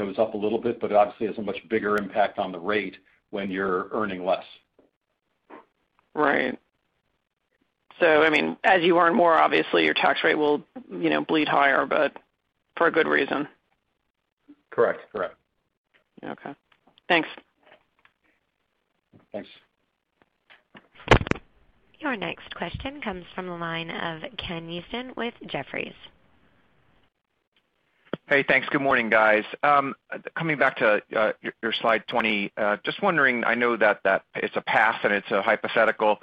is up a little bit, but it obviously has a much bigger impact on the rate when you're earning less. Right. As you earn more, obviously, your tax rate will bleed higher, but for a good reason. Correct. Okay. Thanks. Thanks. Your next question comes from the line of Ken Usdin with Jefferies. Hey, thanks. Good morning, guys. Coming back to your slide 20, I'm just wondering. I know that it's a path and it's hypothetical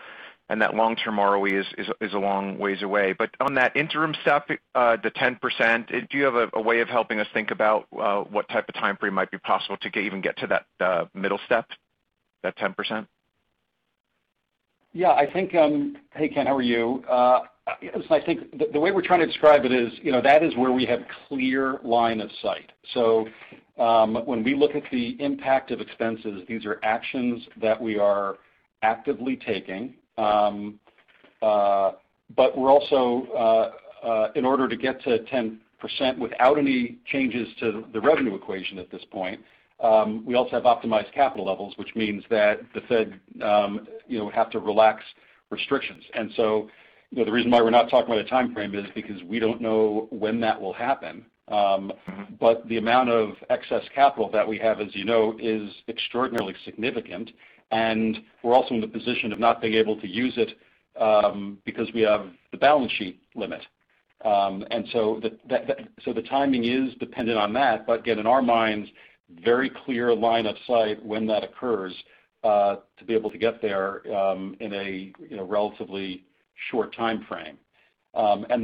and that long-term ROE is a long ways away. On that interim step, the 10%, do you have a way of helping us think about what type of timeframe might be possible to even get to that middle step, that 10%? Yeah. Hey, Ken, how are you? Listen, I think the way we're trying to describe it is that is where we have a clear line of sight. When we look at the impact of expenses, these are actions that we are actively taking. We're also, in order to get to 10% without any changes to the revenue equation at this point, optimizing capital levels, which means that the Fed would have to relax restrictions. The reason why we're not talking about a timeframe is because we don't know when that will happen. The amount of excess capital that we have, as you know, is extraordinarily significant, and we're also in the position of not being able to use it because we have the balance sheet limit. The timing is dependent on that, in our minds, very clear line of sight when that occurs to be able to get there in a relatively short timeframe. In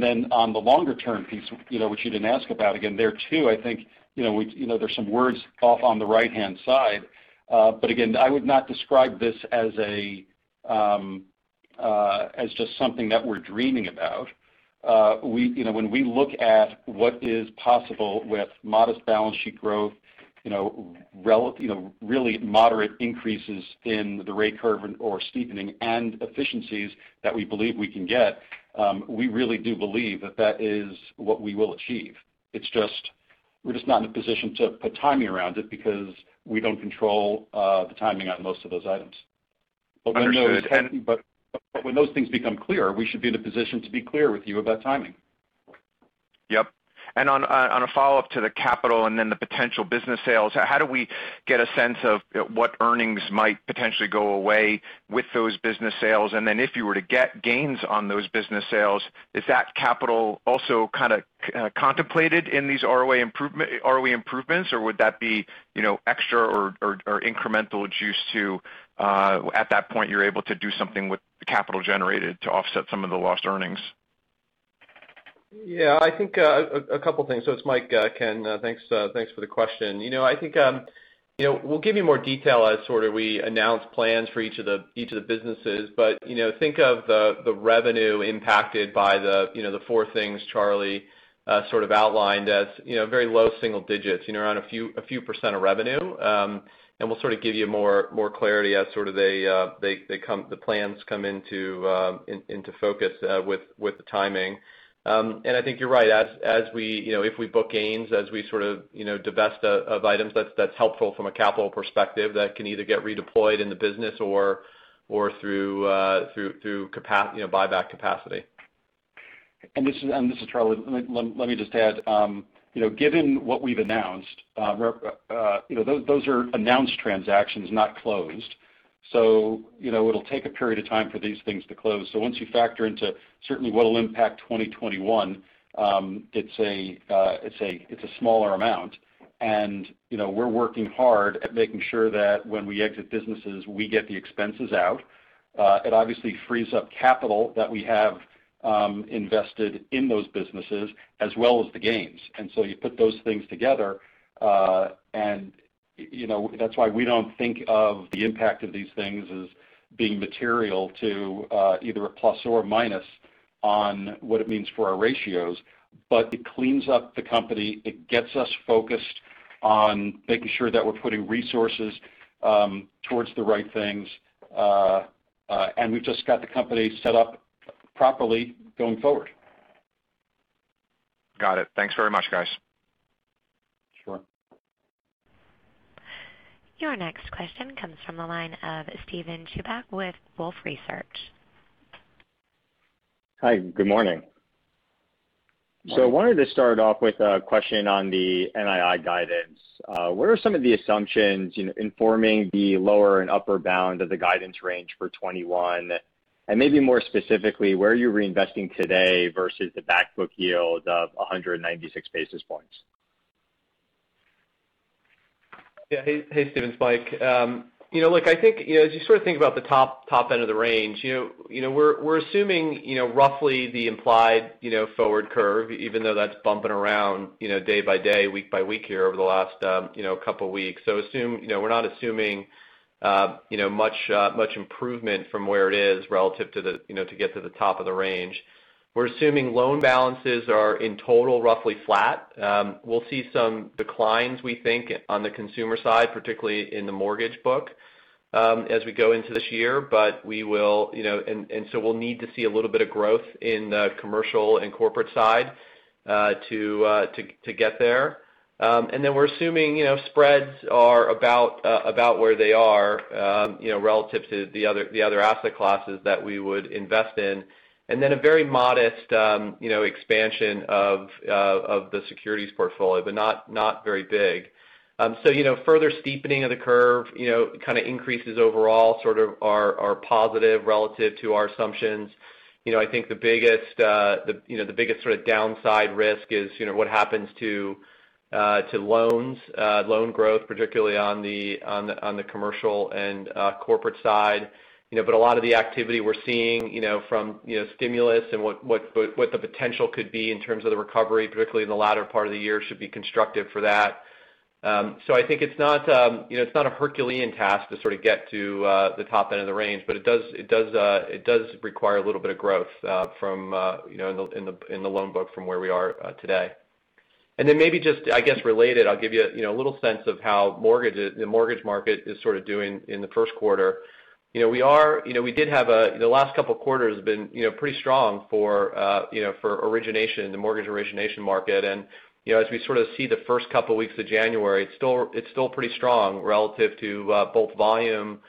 the longer-term piece, which you didn't ask about, there too, I think there are some words off on the right-hand side. I would not describe this as just something that we're dreaming about. When we look at what is possible with modest balance sheet growth, really moderate increases in the rate curve or steepening, and efficiencies that we believe we can get, we really do believe that that is what we will achieve. We're just not in a position to put timing around it because we don't control the timing on most of those items. Understood. When those things become clear, we should be in a position to be clear with you about timing. Yep. On a follow-up to the capital and then the potential business sales, how do we get a sense of what earnings might potentially go away with those business sales? If you were to get gains on those business sales, is that capital also kind of contemplated in these ROE improvements, or would that be extra or incremental juice to, at that point, you're able to do something with the capital generated to offset some of the lost earnings? I think a couple things. It's Mike, Ken. Thanks for the question. I think we'll give you more detail as we sort of announce plans for each of the businesses. Think of the revenue impacted by the four things Charlie sort of outlined as very low-single-digits, around a few percent of revenue. We'll sort of give you more clarity as sort of the plans come into focus with the timing. I think you're right. If we book gains as we sort of divest of items, that's helpful from a capital perspective that can either get redeployed in the business or through buyback capacity. This is Charlie. Let me just add. Given what we've announced, those are announced transactions, not closed. It'll take a period of time for these things to close. Once you factor in certainly what'll impact 2021, it's a smaller amount. We're working hard at making sure that when we exit businesses, we get the expenses out. It obviously frees up capital that we have invested in those businesses as well as the gains. You put those things together, and that's why we don't think of the impact of these things as being material to either a plus or minus on what it means for our ratios. It cleans up the company. It gets us focused on making sure that we're putting resources towards the right things. We've just got the company set up properly going forward. Got it. Thanks very much, guys. Sure. Your next question comes from the line of Steven Chubak with Wolfe Research. Hi, good morning. Morning. I wanted to start off with a question on the NII guidance. What are some of the assumptions informing the lower and upper bounds of the guidance range for 2021? Maybe more specifically, where are you reinvesting today versus the back-book yield of 196 basis points? Yeah. Hey, Steven. It's Mike. Look, I think as you sort of think about the top end of the range, we're assuming roughly the implied forward curve, even though that's been bumping around day by day, week by week, here over the last couple weeks. We're not assuming much improvement from where it is relative to getting to the top of the range. We're assuming loan balances are in total roughly flat. We'll see some declines, we think, on the consumer side, particularly in the mortgage book, as we go into this year. We'll need to see a little bit of growth on the commercial and corporate side to get there. We're assuming spreads are about where they are relative to the other asset classes that we would invest in. A very modest expansion of the securities portfolio, but not very big. Further steepening of the curve kind of increases overall sort of positively relative to our assumptions. I think the biggest sort of downside risk is what happens to loans, loan growth, particularly on the commercial and corporate sides. A lot of the activity we're seeing from the stimulus and what the potential could be in terms of the recovery, particularly in the latter part of the year, should be constructive for that. I think it's not a Herculean task to sort of get to the top end of the range, but it does require a little bit of growth in the loan book from where we are today. Then maybe just, I guess, relatedly, I'll give you a little sense of how the mortgage market is sort of doing in the first quarter. The last couple of quarters have been pretty strong for origination, the mortgage origination market. As we sort of see the first couple of weeks of January, it's still pretty strong relative to both volume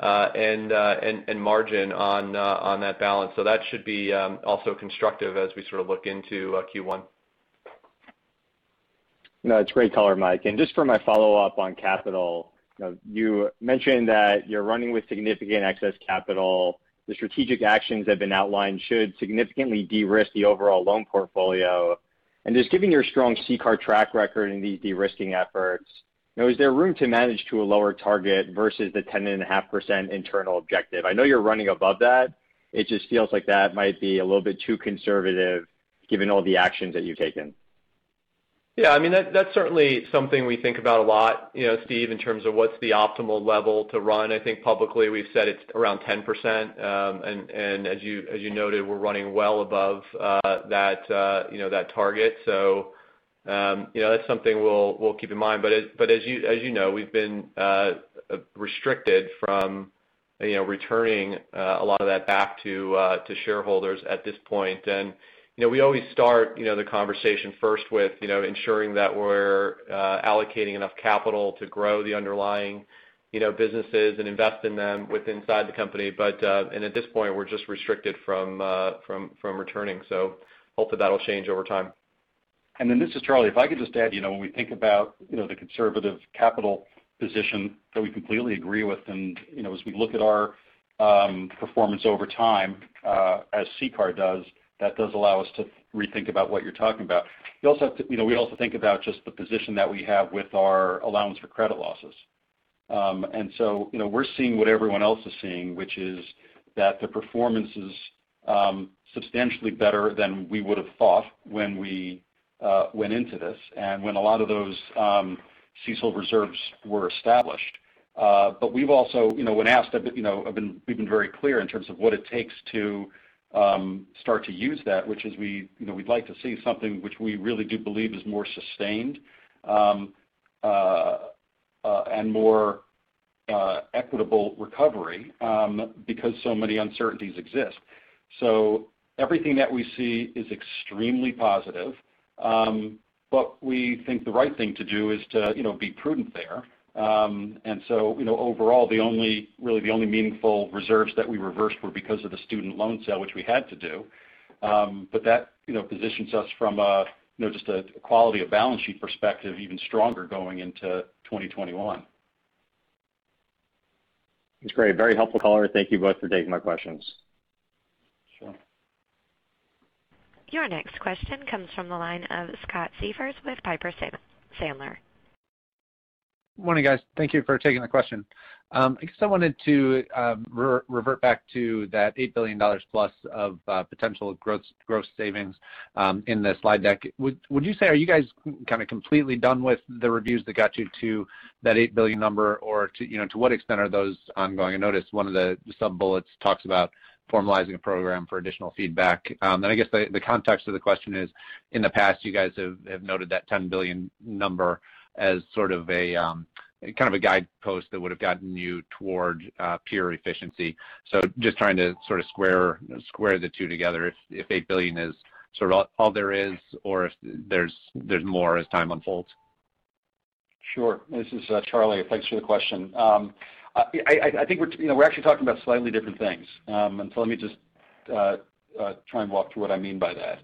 and margin on that balance. That should also be constructive as we sort of look into Q1. No, that's a great color, Mike. Just for my follow-up on capital. You mentioned that you're running with significant excess capital. The strategic actions that have been outlined should significantly de-risk the overall loan portfolio. Just given your strong CCAR track record in these de-risking efforts, is there room to manage to a lower target versus the 10.5% internal objective? I know you're running above that. It just feels like that might be a little bit too conservative given all the actions that you've taken. Yeah, that's certainly something we think about a lot, Steve, in terms of what's the optimal level to run. I think publicly we've said it's around 10%, and as you noted, we're running well above that target. That's something we'll keep in mind. As you know, we've been restricted from returning a lot of that back to shareholders at this point. We always start the conversation first with ensuring that we're allocating enough capital to grow the underlying businesses and invest in them inside the company. At this point, we're just restricted from returning. Hopefully that'll change over time. This is Charlie. If I could just add, when we think about the conservative capital position that we completely agree with and as we look at our performance over time, as CCAR does, that does allow us to rethink what you're talking about. We also think about just the position that we have with our allowance for credit losses. We're seeing what everyone else is seeing, which is that the performance is substantially better than we would've thought when we went into this and when a lot of those CECL reserves were established. We've also, when asked, been very clear in terms of what it takes to start to use that, which is we'd like to see something that we really do believe is more sustained and more equitable recovery because so many uncertainties exist. Everything that we see is extremely positive. We think the right thing to do is to be prudent there. Overall, really the only meaningful reserves that we reversed were because of the student loan sale, which we had to do. That positions us from just a quality of balance sheet perspective even stronger going into 2021. That's great. Very helpful color. Thank you both for taking my questions. Sure. Your next question comes from the line of Scott Siefers with Piper Sandler. Morning, guys. Thank you for taking the question. I guess I wanted to revert back to that $ +8 billion of potential gross savings in the slide deck. Would you say, are you guys kind of completely done with the reviews that got you to that $8 billion number, or to what extent are those ongoing? I noticed one of the sub-bullets talks about formalizing a program for additional feedback. I guess the context of the question is, in the past, you guys have noted that $10 billion number as sort of a guidepost that would've gotten you toward pure efficiency. Just trying to sort of square the two together if $8 billion is sort of all there is or if there's more as time unfolds. Sure. This is Charlie. Thanks for the question. I think we're actually talking about slightly different things. Let me just try and walk through what I mean by that.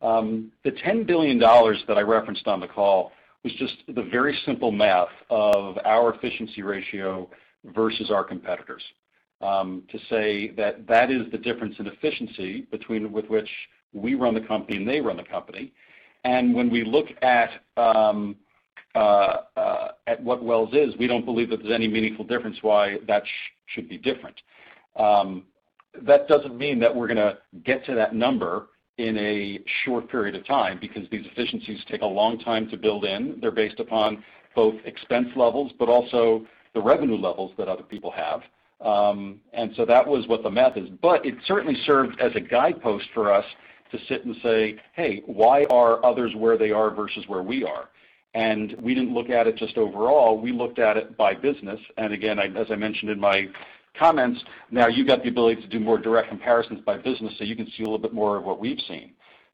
The $10 billion that I referenced on the call was just the very simple math of our efficiency ratio versus our competitors. To say that that is the difference in efficiency between how we run the company and how they run the company. When we look at what Wells is, we don't believe that there's any meaningful difference why that should be different? That doesn't mean that we're going to get to that number in a short period of time because these efficiencies take a long time to build in. They're based upon not only the expense levels but also the revenue levels that other people have. That was what math was. It certainly served as a guidepost for us to sit and say, Hey, why are others where they are versus where we are? We didn't look at it just overall. We looked at it by business. Again, as I mentioned in my comments, now you've got the ability to do more direct comparisons by business so you can see a little bit more of what we've seen.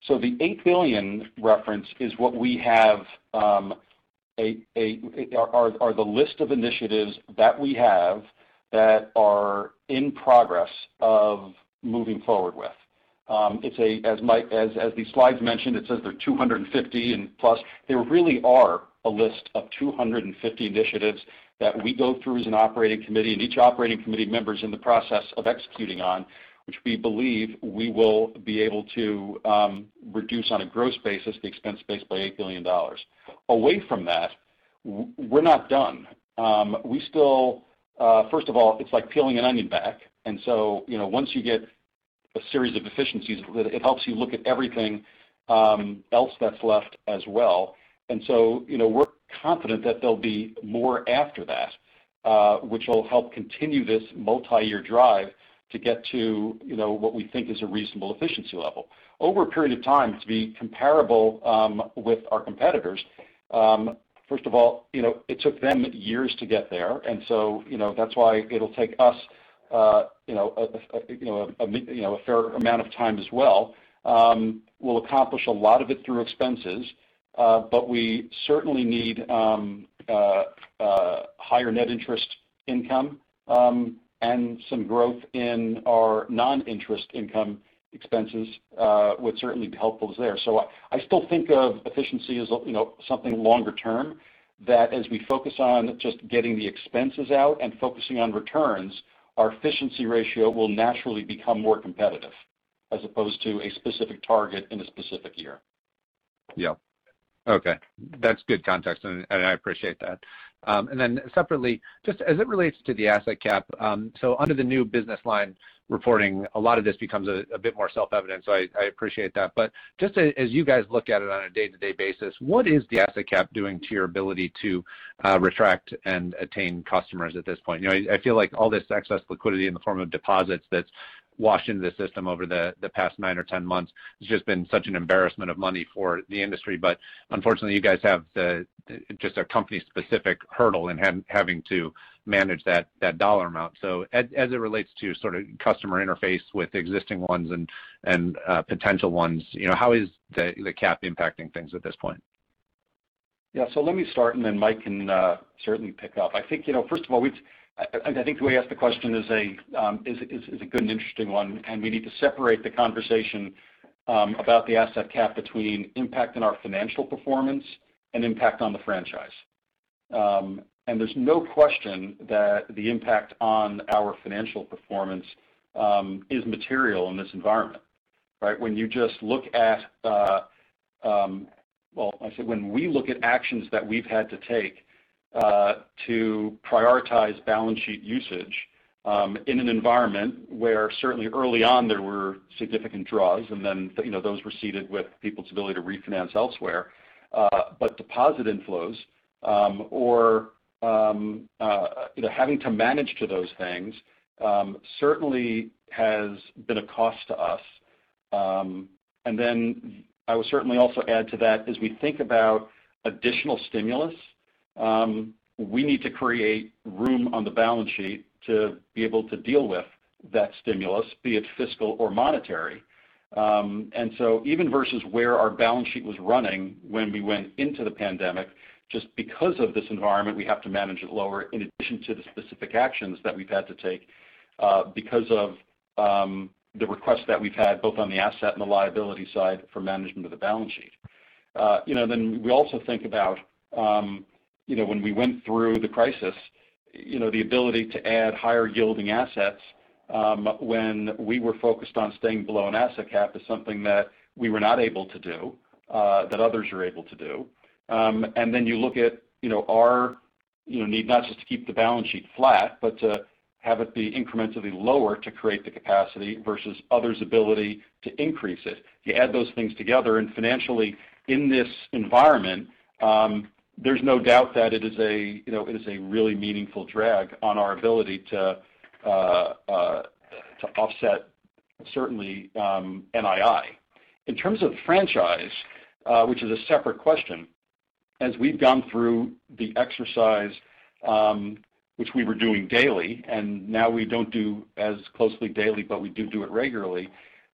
The $8 billion reference is what we have as the list of initiatives that we have that are in progress of moving forward. As the slides mentioned, it says there are 250 and plus. There really is a list of 250 initiatives that we go through as an operating committee, and each operating committee member's in the process of executing on, which we believe we will be able to reduce on a gross basis, the expense base, by $8 billion. Away from that, we're not done. First of all, it's like peeling an onion back. Once you get a series of efficiencies, it helps you look at everything else that's left as well. We're confident that there'll be more after that, which will help continue this multi-year drive to get to what we think is a reasonable efficiency level. Over a period of time, to be comparable with our competitors. First of all, it took them years to get there, and so that's why it'll take us a fair amount of time as well. We'll accomplish a lot of it through expenses. We certainly need higher net interest income, and some growth in our non-interest income expenses would certainly be helpful there. I still think of efficiency as something longer term. As we focus on just getting the expenses out and focusing on returns, our efficiency ratio will naturally become more competitive as opposed to a specific target in a specific year. Yeah. Okay. That's good context, and I appreciate that. Separately, just as it relates to the asset cap. Under the new business line reporting, a lot of this becomes a bit more self-evident, so I appreciate that. Just as you guys look at it on a day-to-day basis, what is the asset cap doing to your ability to attract and retain customers at this point? I feel like all this excess liquidity in the form of deposits that's washed into the system over the past nine or 10 months has just been such an embarrassment of money for the industry. Unfortunately, you guys have just a company-specific hurdle in having to manage that dollar amount. As it relates to the sort of customer interface with existing ones and potential ones, how is the cap impacting things at this point? Let me start and then Mike can certainly pick up. I think the way you asked the question is a good and interesting one, and we need to separate the conversation about the asset cap between the impact on our financial performance and the impact on the franchise. There's no question that the impact on our financial performance is material in this environment, right? When we look at actions that we've had to take to prioritize balance sheet usage in an environment where, certainly early on, there were significant draws, and then those receded with people's ability to refinance elsewhere. Deposit inflows or having to manage those things certainly has been a cost to us. I would certainly also add to that: as we think about additional stimulus, we need to create room on the balance sheet to be able to deal with that stimulus, be it fiscal or monetary. Even versus where our balance sheet was running when we went into the pandemic, just because of this environment, we have to manage it lower in addition to the specific actions that we've had to take because of the requests that we've had, both on the asset and liability sides, for the management of the balance sheet. We also think about when we went through the crisis, the ability to add higher-yielding assets when we were focused on staying below an asset cap is something that we were not able to do that others were able to do. You look at our need not just to keep the balance sheet flat but to have it be incrementally lower to create the capacity versus others' ability to increase it. You add those things together financially; in this environment, there's no doubt that it is a really meaningful drag on our ability to offset certain NII. In terms of franchise, which is a separate question. As we've gone through the exercise that we were doing daily, now we don't do it as closely daily, we do it regularly.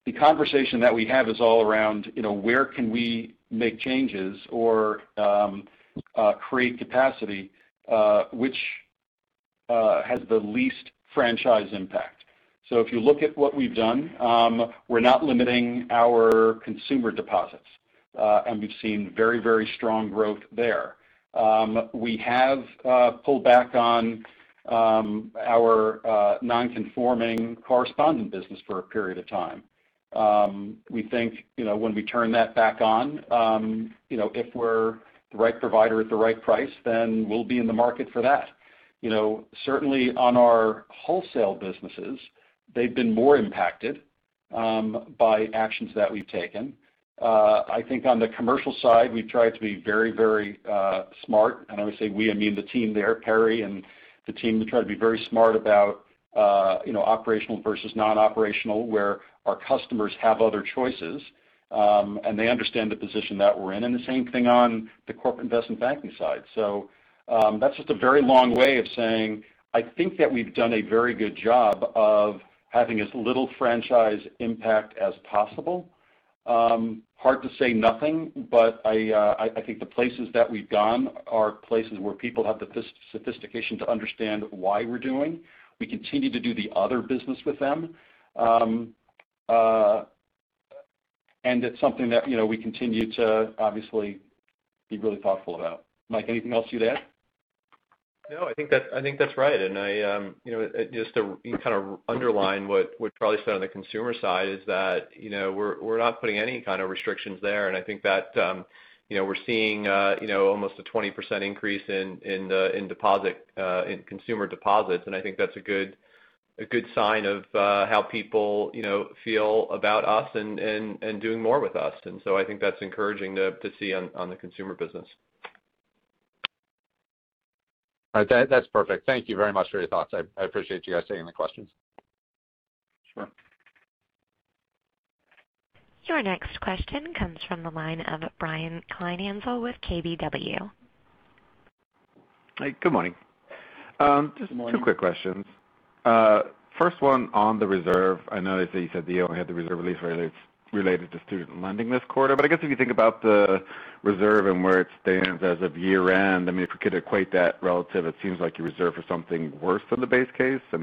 The conversation that we have is all around where we can make changes or create capacity that has the least franchise impact. If you look at what we've done, we're not limiting our consumer deposits. We've seen very strong growth there. We have pulled back on our non-conforming correspondent business for a period of time. We think when we turn that back on, if we're the right provider at the right price, then we'll be in the market for that. Certainly in our wholesale businesses, they've been more impacted by actions that we've taken. I think on the commercial side, we've tried to be very smart. I would say we, I mean, the team there, Perry and the team, have tried to be very smart about operational versus non-operational, where our customers have other choices, and they understand the position that we're in. The same thing on the corporate investment banking side. That's just a very long way of saying I think that we've done a very good job of having as little franchise impact as possible. Hard to say nothing, but I think the places that we've gone are places where people have the sophistication to understand what we're doing. We continue to do the other business with them. It's something that we continue to obviously be really thoughtful about. Mike, anything else you'd add? No, I think that's right. Just to kind of underline what Charlie said on the consumer side is that we're not putting any kind of restrictions there. I think that we're seeing almost a 20% increase in consumer deposits. I think that's a good sign of how people feel about us and doing more with us. I think that's encouraging to see in the consumer business. That's perfect. Thank you very much for your thoughts. I appreciate you guys taking the questions. Sure. Your next question comes from the line of Brian Kleinhanzl with KBW. Hi, good morning. Good morning. Two quick questions. First one on the reserve. I noticed that you said that you only had the reserve release related to student lending this quarter. I guess if you think about the reserve and where it stands as of year-end, if we could equate that relatively, it seems like you reserved for something worse than the base case. If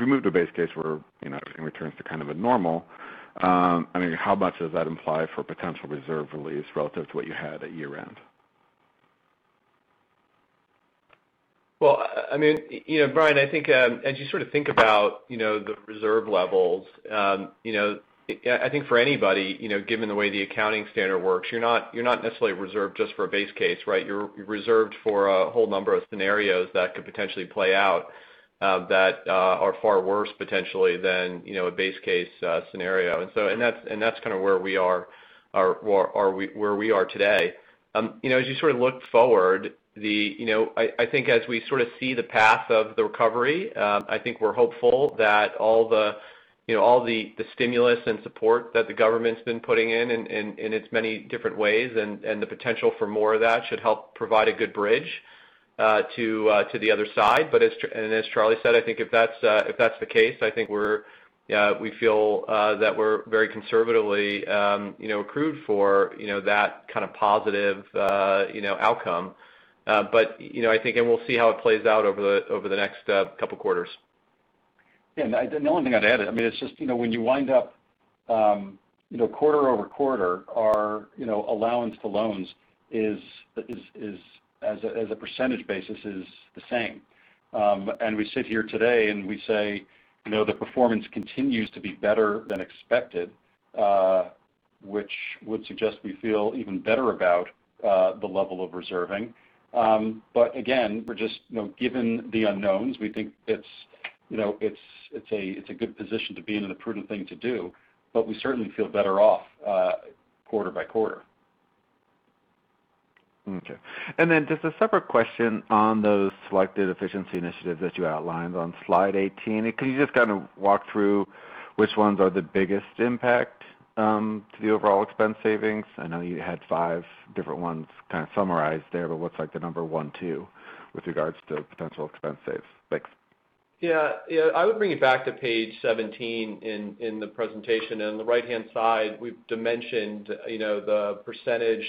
we move to a base case where everything returns to kind of normal, how much does that imply for potential reserve release relative to what you had at year-end? Well, Brian, I think as you think about the reserve levels, I think for anybody, given the way the accounting standard works, you're not necessarily reserved just for a base case, right? You're reserved for a whole number of scenarios that could potentially play out that are far worse potentially than a base-case scenario. That's kind of where we are today. As you sort of look forward, I think as we sort of see the path of the recovery, I think we're hopeful that all the stimulus and support that the government's been putting in its many different ways and the potential for more of that should help provide a good bridge to the other side. As Charlie said, I think if that's the case, I think we feel that we're very conservatively accrued to that kind of positive outcome. I think we'll see how it plays out over the next couple quarters. Yeah. The only thing I'd add is that when you wind up quarter-over-quarter, our allowance for loans on a percentage basis is the same. We sit here today, and we say the performance continues to be better than expected, which would suggest we feel even better about the level of reserving. Again, given the unknowns, we think it's a good position to be in and a prudent thing to do, but we certainly feel better off quarter by quarter. Okay. Just a separate question on those selected efficiency initiatives that you outlined on slide 18. Can you just kind of walk through which ones have the biggest impact on the overall expense savings? I know you had five different ones kind of summarized there, what are, like, numbers one and two with regard to potential expense savings? Thanks. Yeah. I would bring you back to page 17 in the presentation. On the right-hand side, we've dimensioned the percentage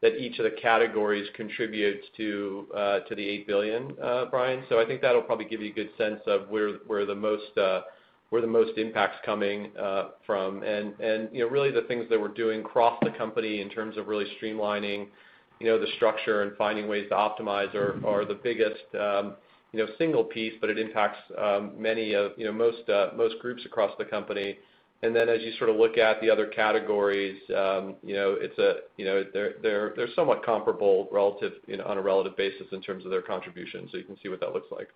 that each of the categories contributes to the $8 billion, Brian. I think that'll probably give you a good sense of where the most impact's coming from. Really the things that we're doing across the company in terms of really streamlining the structure and finding ways to optimize are the biggest single piece, but it impacts most groups across the company. As you sort of look at the other categories, they're somewhat comparable on a relative basis in terms of their contribution. You can see what that looks like.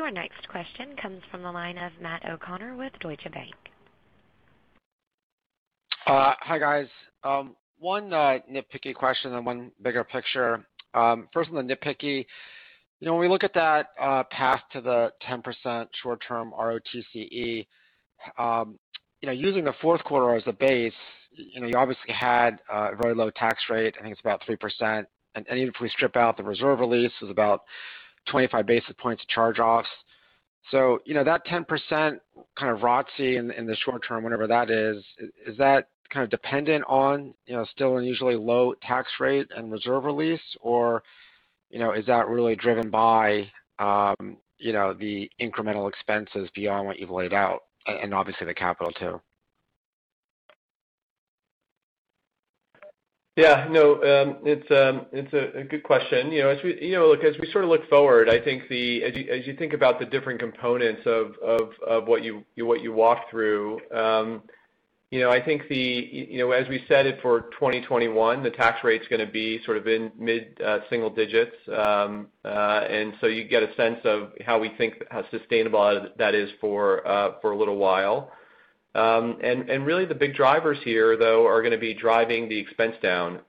Your next question comes from the line of Matt O'Connor with Deutsche Bank. Hi, guys. One nitpicky question and one bigger picture. First, the nitpicky. When we look at that path to the 10% short-term ROTCE, using the fourth quarter as a base, you obviously had a very low tax rate. I think it's about 3%. Even if we strip out the reserve release, it's about 25 basis points of charge-offs. That 10% kind of ROTCE in the short term, whatever that is, is kind of dependent on an still unusually low tax rate and reserve release. Is that really driven by the incremental expenses beyond what you've laid out and, obviously, the capital too? Yeah. No, it's a good question. As we sort of look forward, as you think about the different components of what you walked through, I think, as we said it for 2021, the tax rate's going to be sort of in the mid-single digits. You get a sense of how sustainable that is for a little while. Really the big drivers here though are going to be driving the expense down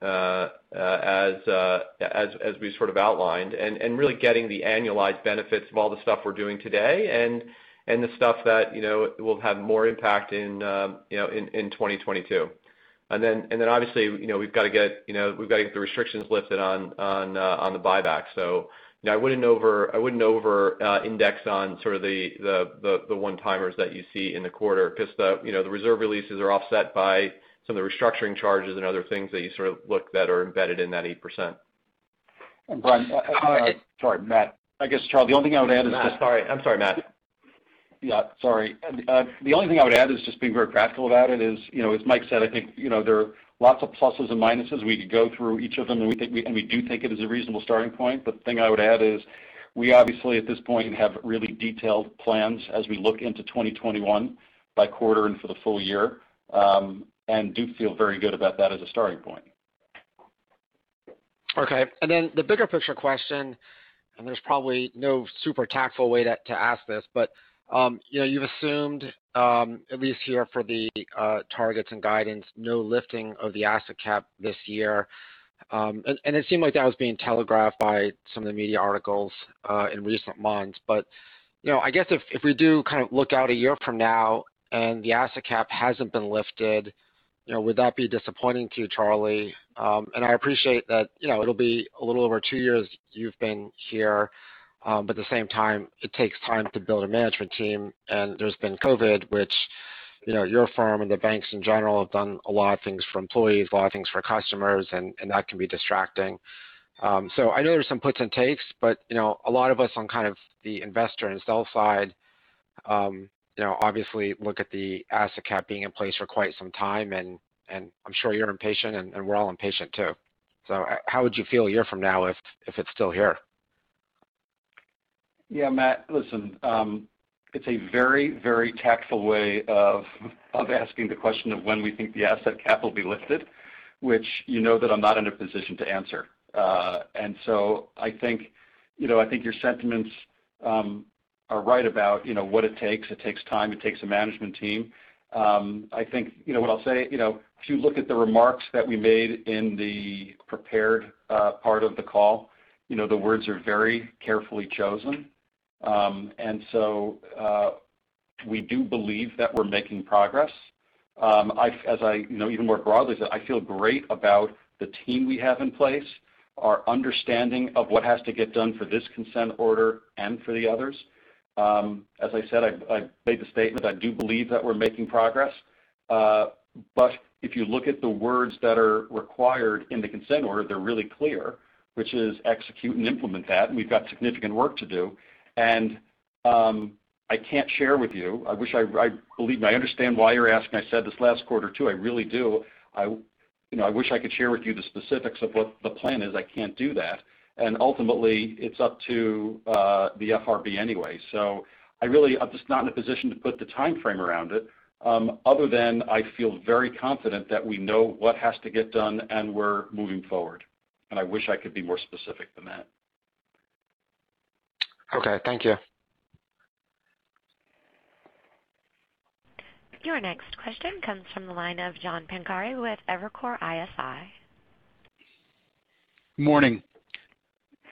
as we sort of outlined and really getting the annualized benefits of all the stuff we're doing today and the stuff that will have more impact in 2022. Obviously, we've got to get the restrictions lifted on the buyback. I wouldn't over-index on the one-timers that you see in the quarter because the reserve releases are offset by some of the restructuring charges and other things that you look at that are embedded in that 8%. And Brian- Sorry, Matt. I guess, Charlie, the only thing I would add is just—Sorry. I'm sorry, Matt. Yeah, sorry. The only thing I would add is just being very practical about it, as Mike said, I think there are lots of pluses and minuses. We could go through each of them, and we do think it is a reasonable starting point. The thing I would add is we obviously at this point have really detailed plans as we look into 2021 by quarter and for the full year and do feel very good about that as a starting point. Okay. The bigger picture question, and there's probably no super tactful way to ask this, but you've assumed, at least here for the targets and guidance, no lifting of the asset cap this year. It seemed like that was being telegraphed by some of the media articles in recent months. I guess if we do kind of look out a year from now and the asset cap hasn't been lifted, would that be disappointing to you, Charlie? I appreciate that it'll be a little over two years you've been here. At the same time, it takes time to build a management team. There's been COVID, and your firm and the banks in general have done a lot of things for employees and a lot of things for customers, and that can be distracting. I know there are some puts and takes, but a lot of us on kind of the investor and sell side obviously look at the asset cap being in place for quite some time, and I'm sure you're impatient, and we're all impatient, too. How would you feel a year from now if it's still here? Yeah, Matt, listen. It's a very tactful way of asking the question of when we think the asset cap will be lifted, which you know that I'm not in a position to answer. I think your sentiments are right about what it takes. It takes time. It takes a management team. I think what I'll say is, if you look at the remarks that we made in the prepared part of the call, the words are very carefully chosen. We do believe that we're making progress. As I even more broadly said, I feel great about the team we have in place and our understanding of what has to get done for this consent order and for the others. As I said, I made the statement, I do believe that we're making progress. If you look at the words that are required in the consent order, they're really clear, which is execute and implement that, and we've got significant work to do. I can't share with you. I understand why you're asking. I said this last quarter, too, I really do. I wish I could share with you the specifics of what the plan is. I can't do that. Ultimately, it's up to the FRB anyway. I'm just not in a position to put the timeframe around it, other than I feel very confident that we know what has to get done and we're moving forward. I wish I could be more specific than that. Okay. Thank you. Your next question comes from the line of John Pancari with Evercore ISI. Morning.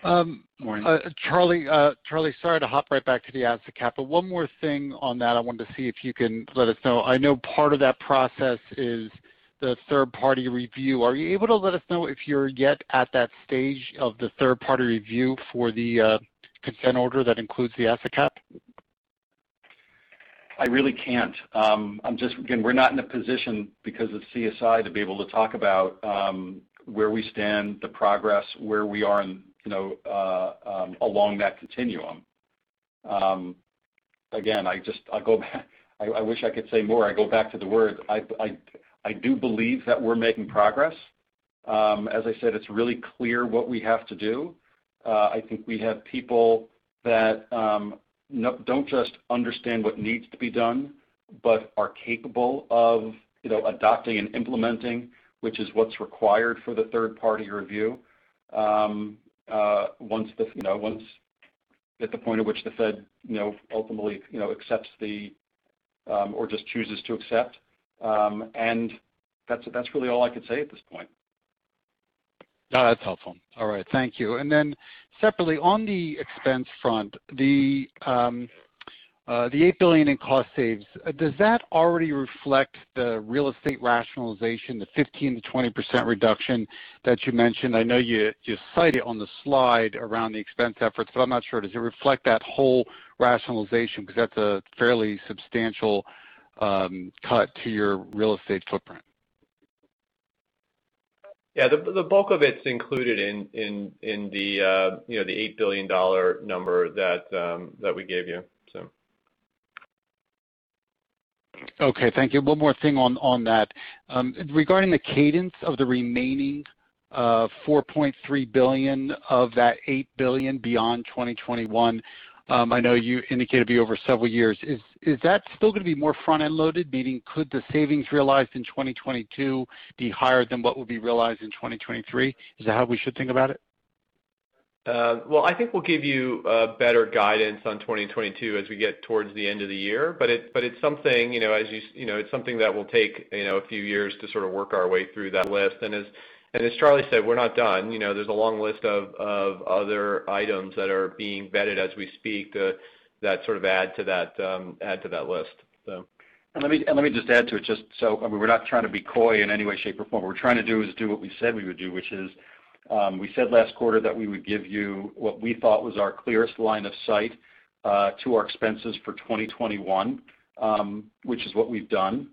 Morning. Charlie, sorry to hop right back to the asset cap. One more thing on that: I wanted to see if you could let us know. I know part of that process is the third-party review. Are you able to let us know if you're yet at that stage of the third-party review for the consent order that includes the asset cap? I really can't. Again, we're not in a position because of CSI to be able to talk about where we stand, the progress, where we are along that continuum. Again, I wish I could say more. I go back to the word, I do believe that we're making progress. As I said, it's really clear what we have to do. I think we have people that don't just understand what needs to be done but are capable of adopting and implementing it, which is what's required for the third-party review once the Fed ultimately accepts or just chooses to accept. That's really all I can say at this point. No, that's helpful. All right. Thank you. Separately, on the expense front, the $8 billion in cost savings—does that already reflect the real estate rationalization, the 15%-20% reduction that you mentioned? I know you cite it on the slide around the expense efforts, but I'm not sure. Does it reflect that whole rationalization? That's a fairly substantial cut to your real estate footprint. Yeah. The bulk of it's included in the $8 billion number that we gave you. Okay, thank you. One more thing on that. Regarding the cadence of the remaining $4.3 billion of that $8 billion beyond 2021, I know you indicated it'd be over several years. Is that still going to be more front-end loaded, meaning could the savings realized in 2022 be higher than what would be realized in 2023? Is that how we should think about it? Well, I think we'll give you better guidance on 2022 as we get towards the end of the year. It's something that will take a few years to sort of work our way through that list. As Charlie said, we're not done. There's a long list of other items that are being vetted as we speak that sort of add to that list. Let me just add to it. We're not trying to be coy in any way, shape, or form. What we're trying to do is do what we said we would do, which is we said last quarter that we would give you what we thought was our clearest line of sight to our expenses for 2021, which is what we've done.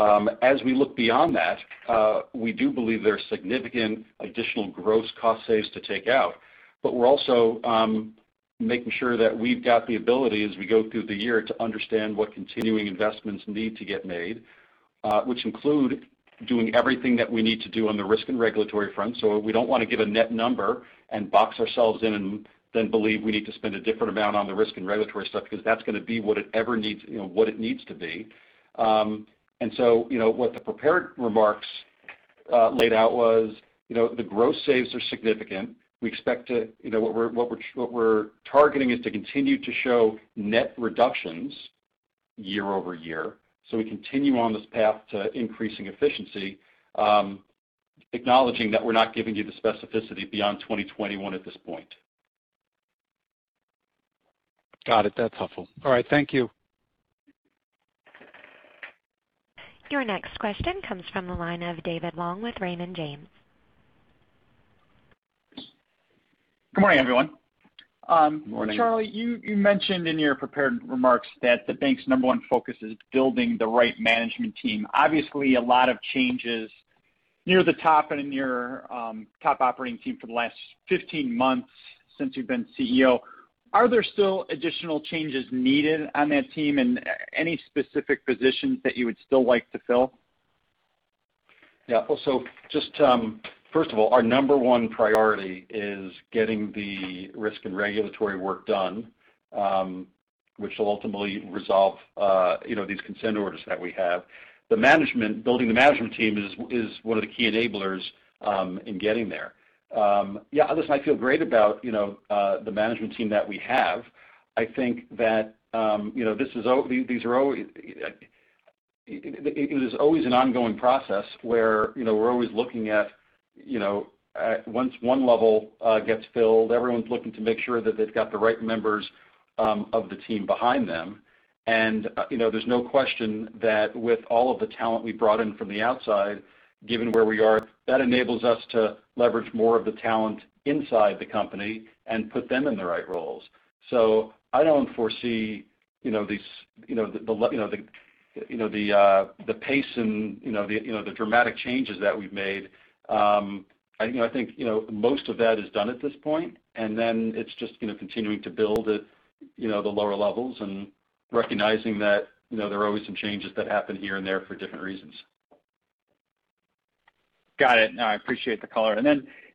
As we look beyond that, we do believe there are significant additional gross cost savings to take out, but we're also making sure that we've got the ability as we go through the year to understand what continuing investments need to get made, which include doing everything that we need to do on the risk and regulatory front. We don't want to give a net number and box ourselves in and then believe we need to spend a different amount on the risk and regulatory stuff, because that's going to be what it needs to be. What the prepared remarks laid out was that the gross savings are significant. What we're targeting is to continue to show net reductions year-over-year. We continue on this path to increasing efficiency, acknowledging that we're not giving you the specificity beyond 2021 at this point. Got it. That's helpful. All right. Thank you. Your next question comes from the line of David Long with Raymond James. Good morning, everyone. Good morning. Charlie, you mentioned in your prepared remarks that the bank's number one focus is building the right management team. Obviously, a lot of changes near the top and in your top operating team for the last 15 months since you've been CEO. Are there still additional changes needed on that team and any specific positions that you would still like to fill? Yeah. Just first of all, our number one priority is getting the risk and regulatory work done, which will ultimately resolve these consent orders that we have. Building the management team is one of the key enablers in getting there. Yeah, listen, I feel great about the management team that we have. I think that it is always an ongoing process where we're always looking at once one level gets filled, everyone's looking to make sure that they've got the right members of the team behind them. There's no question that with all of the talent we've brought in from the outside, given where we are, that enables us to leverage more of the talent inside the company and put them in the right roles. I don't foresee the pace and the dramatic changes that we've made. I think most of that is done at this point. It's just continuing to build at the lower levels and recognizing that there are always some changes that happen here and there for different reasons. Got it. No, I appreciate the color.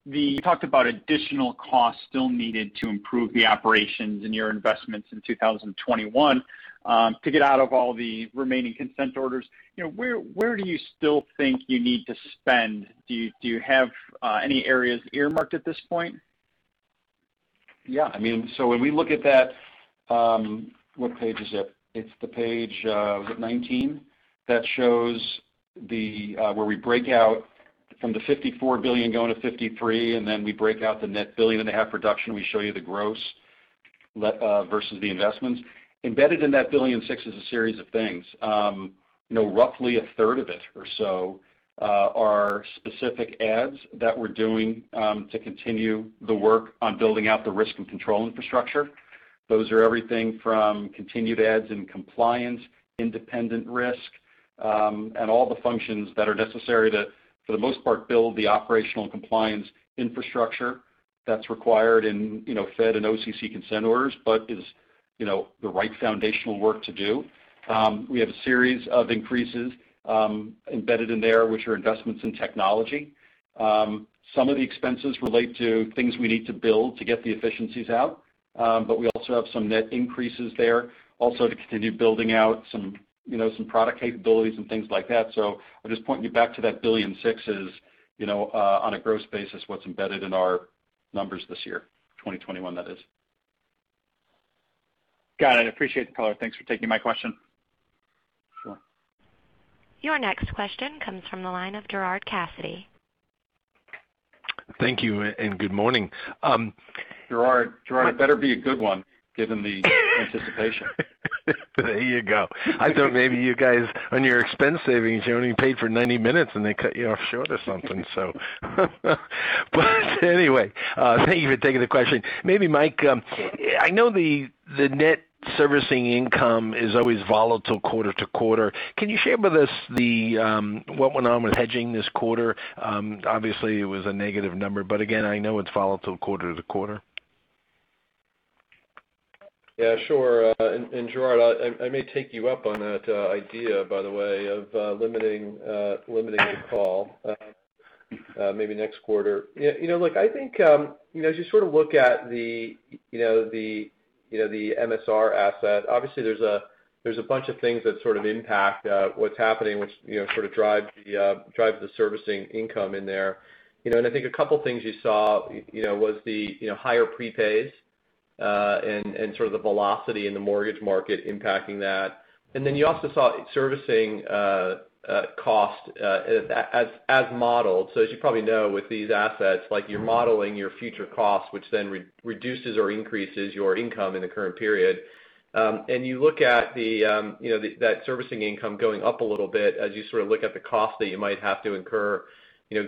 You talked about additional costs still needed to improve the operations and your investments in 2021 to get out of all the remaining consent orders. Where do you still think you need to spend? Do you have any areas earmarked at this point? Yeah. When we look at that, what page is it? It's page 19, where we break out from the $54 billion going to $53 billion, we break out the net billion-and-a-half reduction. We show you the gross versus the investments. Embedded in that $6 billion is a series of things. Roughly a third of it or so are specific ads that we're doing to continue the work on building out the risk and control infrastructure. Those are everything from continued ads in compliance, independent risk, and all the functions that are necessary to, for the most part, build the operational and compliance infrastructure that's required in Fed and OCC consent orders but is the right foundational work to do. We have a series of increases embedded in there, which are investments in technology. Some of the expenses relate to things we need to build to get the efficiencies out. We also have some net increases there also to continue building out some product capabilities and things like that. I'll just point you back to that $1.6 billion is, on a gross basis, what's embedded in our numbers this year, 2021, that is. Got it. Appreciate the color. Thanks for taking my question. Sure. Your next question comes from the line of Gerard Cassidy. Thank you, and good morning. Gerard, it better be a good one given the anticipation. There you go. I thought maybe you guys, on your expense savings, only paid for 90 minutes, and they cut you off short or something. Anyway, thank you for taking the question. Maybe, Mike. I know the net servicing income is always volatile quarter to quarter. Can you share with us what went on with hedging this quarter? Obviously, it was a negative number, but again, I know it's volatile quarter-to-quarter. Yeah, sure. Gerard, I may take you up on that idea, by the way, of limiting the call maybe next quarter. Look, I think as you look at the MSR asset, obviously there are a bunch of things that impact what's happening, which drive the servicing income in there. I think a couple things you saw were the higher prepays and sort of the velocity in the mortgage market impacting that. Then you also saw servicing costs as modeled. As you probably know, with these assets, you're modeling your future costs, which then reduces or increases your income in the current period. You look at that servicing income going up a little bit as you look at the cost that you might have to incur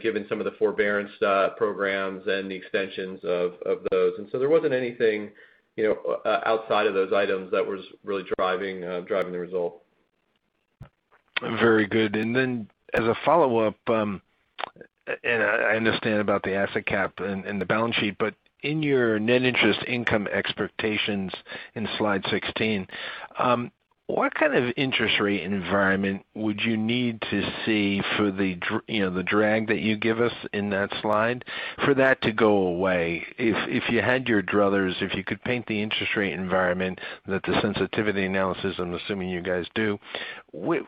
given some of the forbearance programs and the extensions of those. There wasn't anything outside of those items that was really driving the result. Very good. As a follow-up, and I understand about the asset cap and the balance sheet, but in your net interest income expectations in slide 16, what kind of interest rate environment would you need to see for the drag that you give us in that slide for that to go away? If you had your druthers, if you could paint the interest rate environment that the sensitivity analysis, I am assuming you guys do, what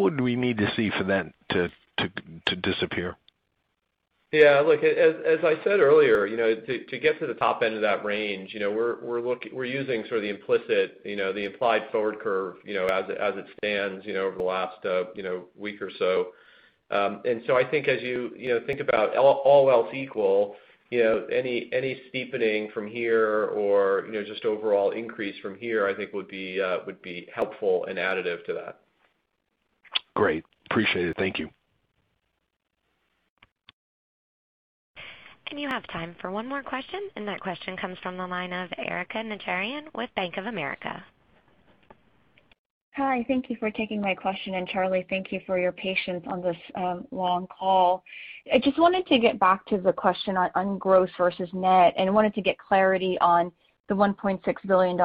would we need to see for that to disappear? Yeah, look, as I said earlier, to get to the top end of that range, we're using sort of the implicit, the implied forward curve as it stands over the last week or so. I think, as you think about all else equal, any steepening from here or just overall increase from here, I think, would be helpful and additive to that. Great. Appreciate it. Thank you. You have time for one more question, and that question comes from the line of Erika Najarian with Bank of America. Hi. Thank you for taking my question, and Charlie, thank you for your patience on this long call. I just wanted to get back to the question on gross versus net and wanted to get clarity on the $1.6 billion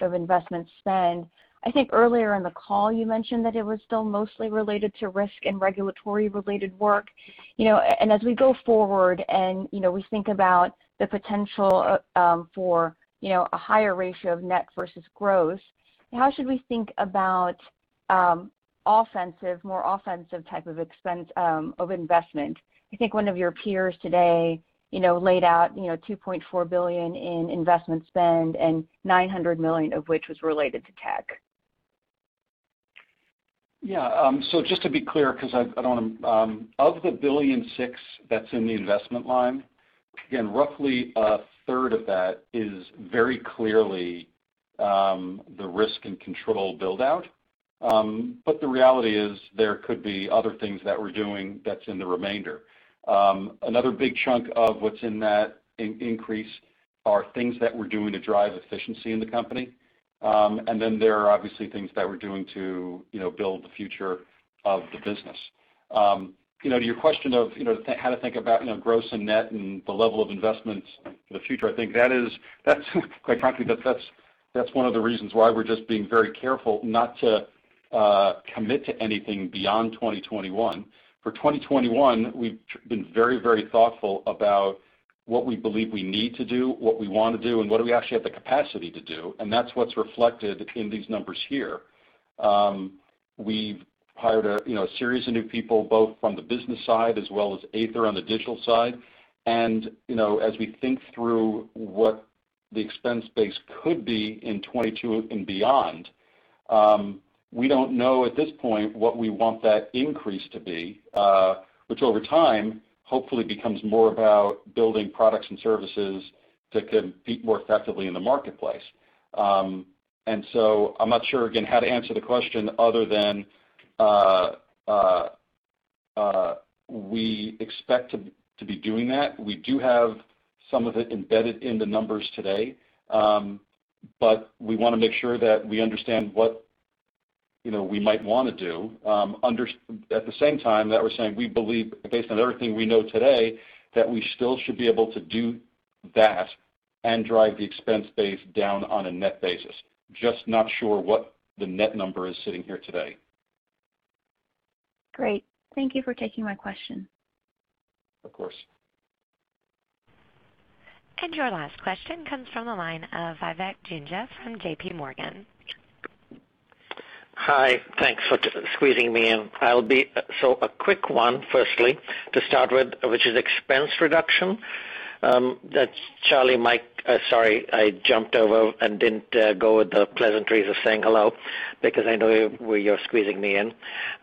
of investment spend. I think earlier in the call, you mentioned that it was still mostly related to risk and regulatory-related work, and as we go forward and we think about the potential for a higher ratio of net versus gross, how should we think about a more offensive type of expense of investment? I think one of your peers today laid out $2.4 billion in investment spend, $900 million of which was related to tech. Just to be clear, of the $1.6 billion that's in the investment line, again, roughly a third of that is very clearly the risk and control build-out. The reality is, there could be other things that we're doing that are in the remainder. Another big chunk of what's in that increase are things that we're doing to drive efficiency in the company. There are obviously things that we're doing to build the future of the business. To your question of how to think about gross and net and the level of investments for the future, I think that is quite frankly one of the reasons why we're just being very careful not to commit to anything beyond 2021. For 2021, we've been very thoughtful about what we believe we need to do, what we want to do, and what we actually have the capacity to do, and that's what's reflected in these numbers here. We've hired a series of new people, both from the business side and from Ather on the digital side. As we think through what the expense base could be in 2022 and beyond, we don't know at this point what we want that increase to be, which over time, hopefully, becomes more about building products and services that can compete more effectively in the marketplace. I'm not sure, again, how to answer the question other than, we expect to be doing that. We do have some of it embedded in the numbers today. We want to make sure that we understand what we might want to do. At the same time, we're saying we believe, based on everything we know today, that we still should be able to do that and drive the expense base down on a net basis. Just not sure what the net number is sitting here today. Great. Thank you for taking my question. Of course. Your last question comes from the line of Vivek Juneja from JPMorgan. Hi. Thanks for squeezing me in. A quick one, firstly to start with, which is expense reduction. Charlie and Mike, sorry I jumped over and didn't go with the pleasantries of saying hello because I know where you're squeezing me in.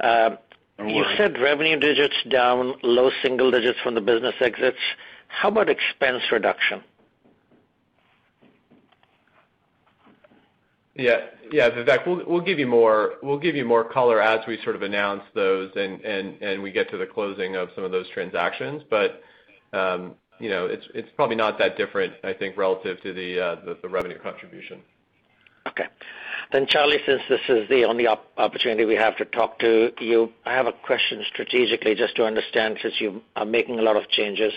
No worries. You said revenue digits are low single-digits from the business exits. How about expense reduction? Yeah, Vivek. We'll give you more color as we sort of announce those and get to the closing of some of those transactions. It's probably not that different, I think, relative to the revenue contribution. Okay. Charlie, since this is the only opportunity we have to talk to you, I have a question strategically just to understand since you are making a lot of changes.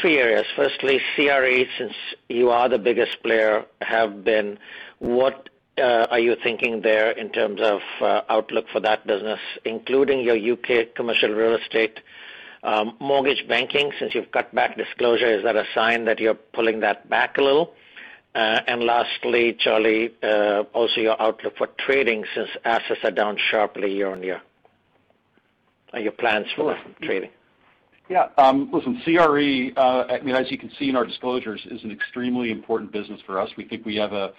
Three areas. Firstly, CRE, since you are the biggest player, has been. What are you thinking there in terms of outlook for that business, including your U.K. commercial real estate mortgage banking? Since you've cut back disclosure, is that a sign that you're pulling that back a little? Lastly, Charlie, also your outlook for trading since assets are down sharply year-on-year. Are your plans for trading? Listen, CRE, as you can see in our disclosures, is an extremely important business for us. We think we have a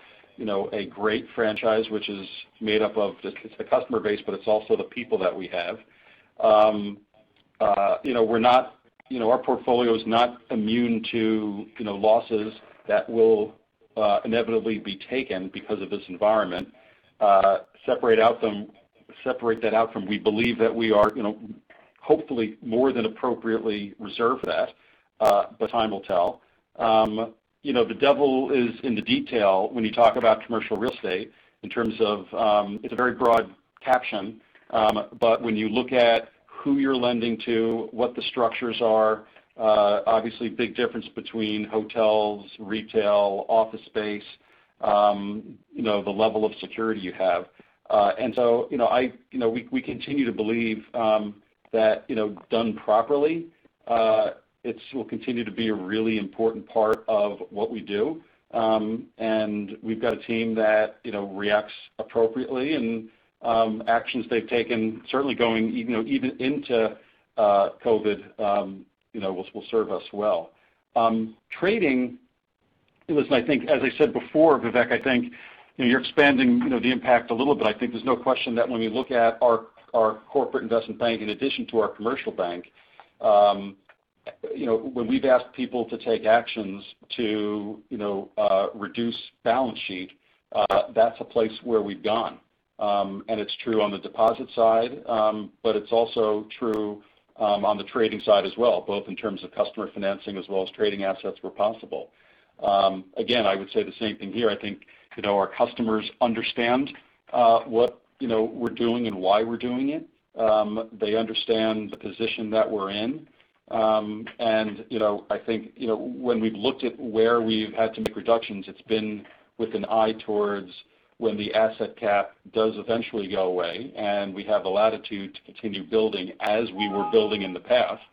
great franchise, which is made up of the customer base, but it's also the people that we have. Our portfolio is not immune to losses that will inevitably be taken because of this environment. Separate that out from what we believe that we are hopefully more than appropriately reserved for, but time will tell. The devil is in the details when you talk about commercial real estate in terms of it being a very broad caption. When you look at who you're lending to and what the structures are, there's obviously a big difference between hotels, retail, and office space and the level of security you have. We continue to believe that done properly, it will continue to be a really important part of what we do. We've got a team that reacts appropriately, and actions they've taken, certainly going even into COVID, will serve us well. Trading, listen, I think, as I said before, Vivek, I think you're expanding the impact a little bit. I think there's no question that when we look at our Corporate and Investment Bank in addition to our Commercial Bank, when we've asked people to take actions to reduce the balance sheet, that's a place where we've gone. It's true on the deposit side, but it's also true on the trading side as well, both in terms of customer financing and trading assets where possible. Again, I would say the same thing here. I think our customers understand what we're doing and why we're doing it. They understand the position that we're in. I think when we've looked at where we've had to make reductions, it's been with an eye towards when the asset cap does eventually go away, and we have the latitude to continue building as we were building in the past.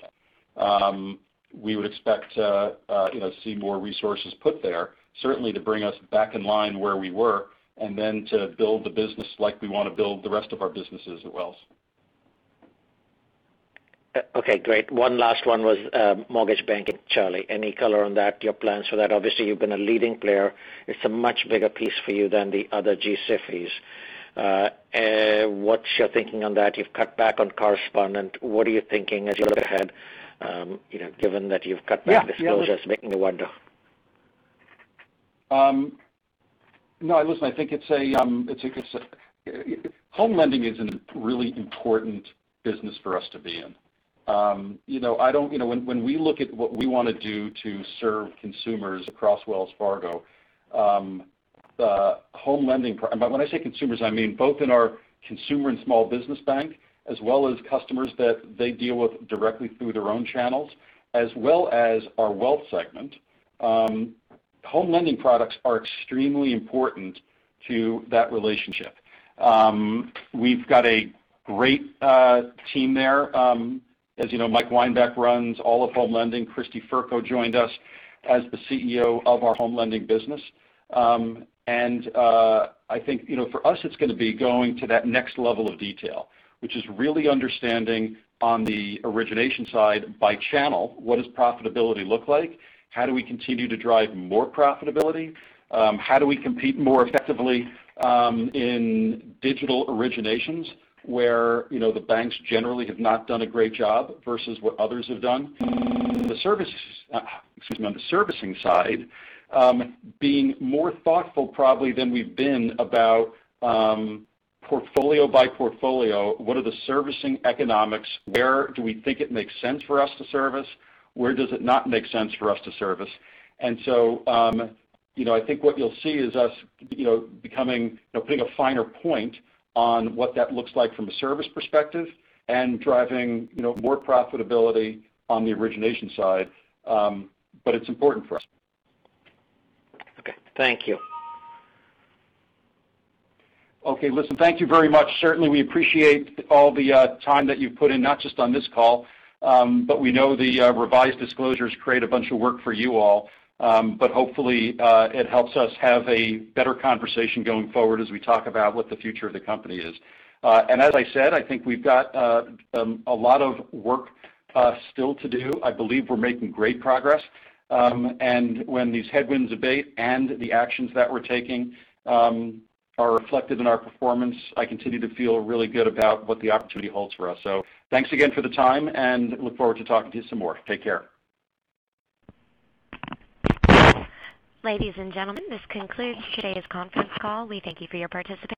We would expect to see more resources put there, certainly to bring us back in line where we were, and then to build the business like we want to build the rest of our businesses at Wells. Okay, great. One last one was mortgage banking. Charlie, any color on that, your plans for that? Obviously, you've been a leading player. It's a much bigger piece for you than the other G-SIFIs. What's your thinking on that? You've cut back on correspondent. What are you thinking as you look ahead given that you've cut back disclosures, making me wonder? No, listen, I think Home Lending is a really important business for us to be in. When we look at what we want to do to serve consumers across Wells Fargo Home Lending—when I say consumers, I mean both in our consumer and small business bank, as well as customers that they deal with directly through their own channels, as well as our wealth segment. Home Lending products are extremely important to that relationship. We've got a great team there. As you know, Mike Weinbach runs all of Home Lending. Kristy Fercho joined us as the CEO of our Home Lending business. I think for us, it's going to be going to that next level of detail, which is really understanding the origination side by channel: what does profitability look like? How do we continue to drive more profitability? How do we compete more effectively in digital originations where the banks generally have not done a great job versus what others have done? On the servicing side, being more thoughtful probably than we've been about portfolio by portfolio, what are the servicing economics? Where do we think it makes sense for us to service? Where does it not make sense for us to service? I think what you'll see is us putting a finer point on what that looks like from a service perspective and driving more profitability on the origination side. It's important for us. Okay. Thank you. Okay. Listen, thank you very much. Certainly, we appreciate all the time that you've put in, not just on this call. We know the revised disclosures create a bunch of work for you all. Hopefully, it helps us have a better conversation going forward as we talk about what the future of the company is. As I said, I think we've got a lot of work still to do. I believe we're making great progress. When these headwinds abate and the actions that we're taking are reflected in our performance, I continue to feel really good about what the opportunity holds for us. Thanks again for the time, and I look forward to talking to you some more. Take care. Ladies and gentlemen, this concludes today's conference call. We thank you for your participation.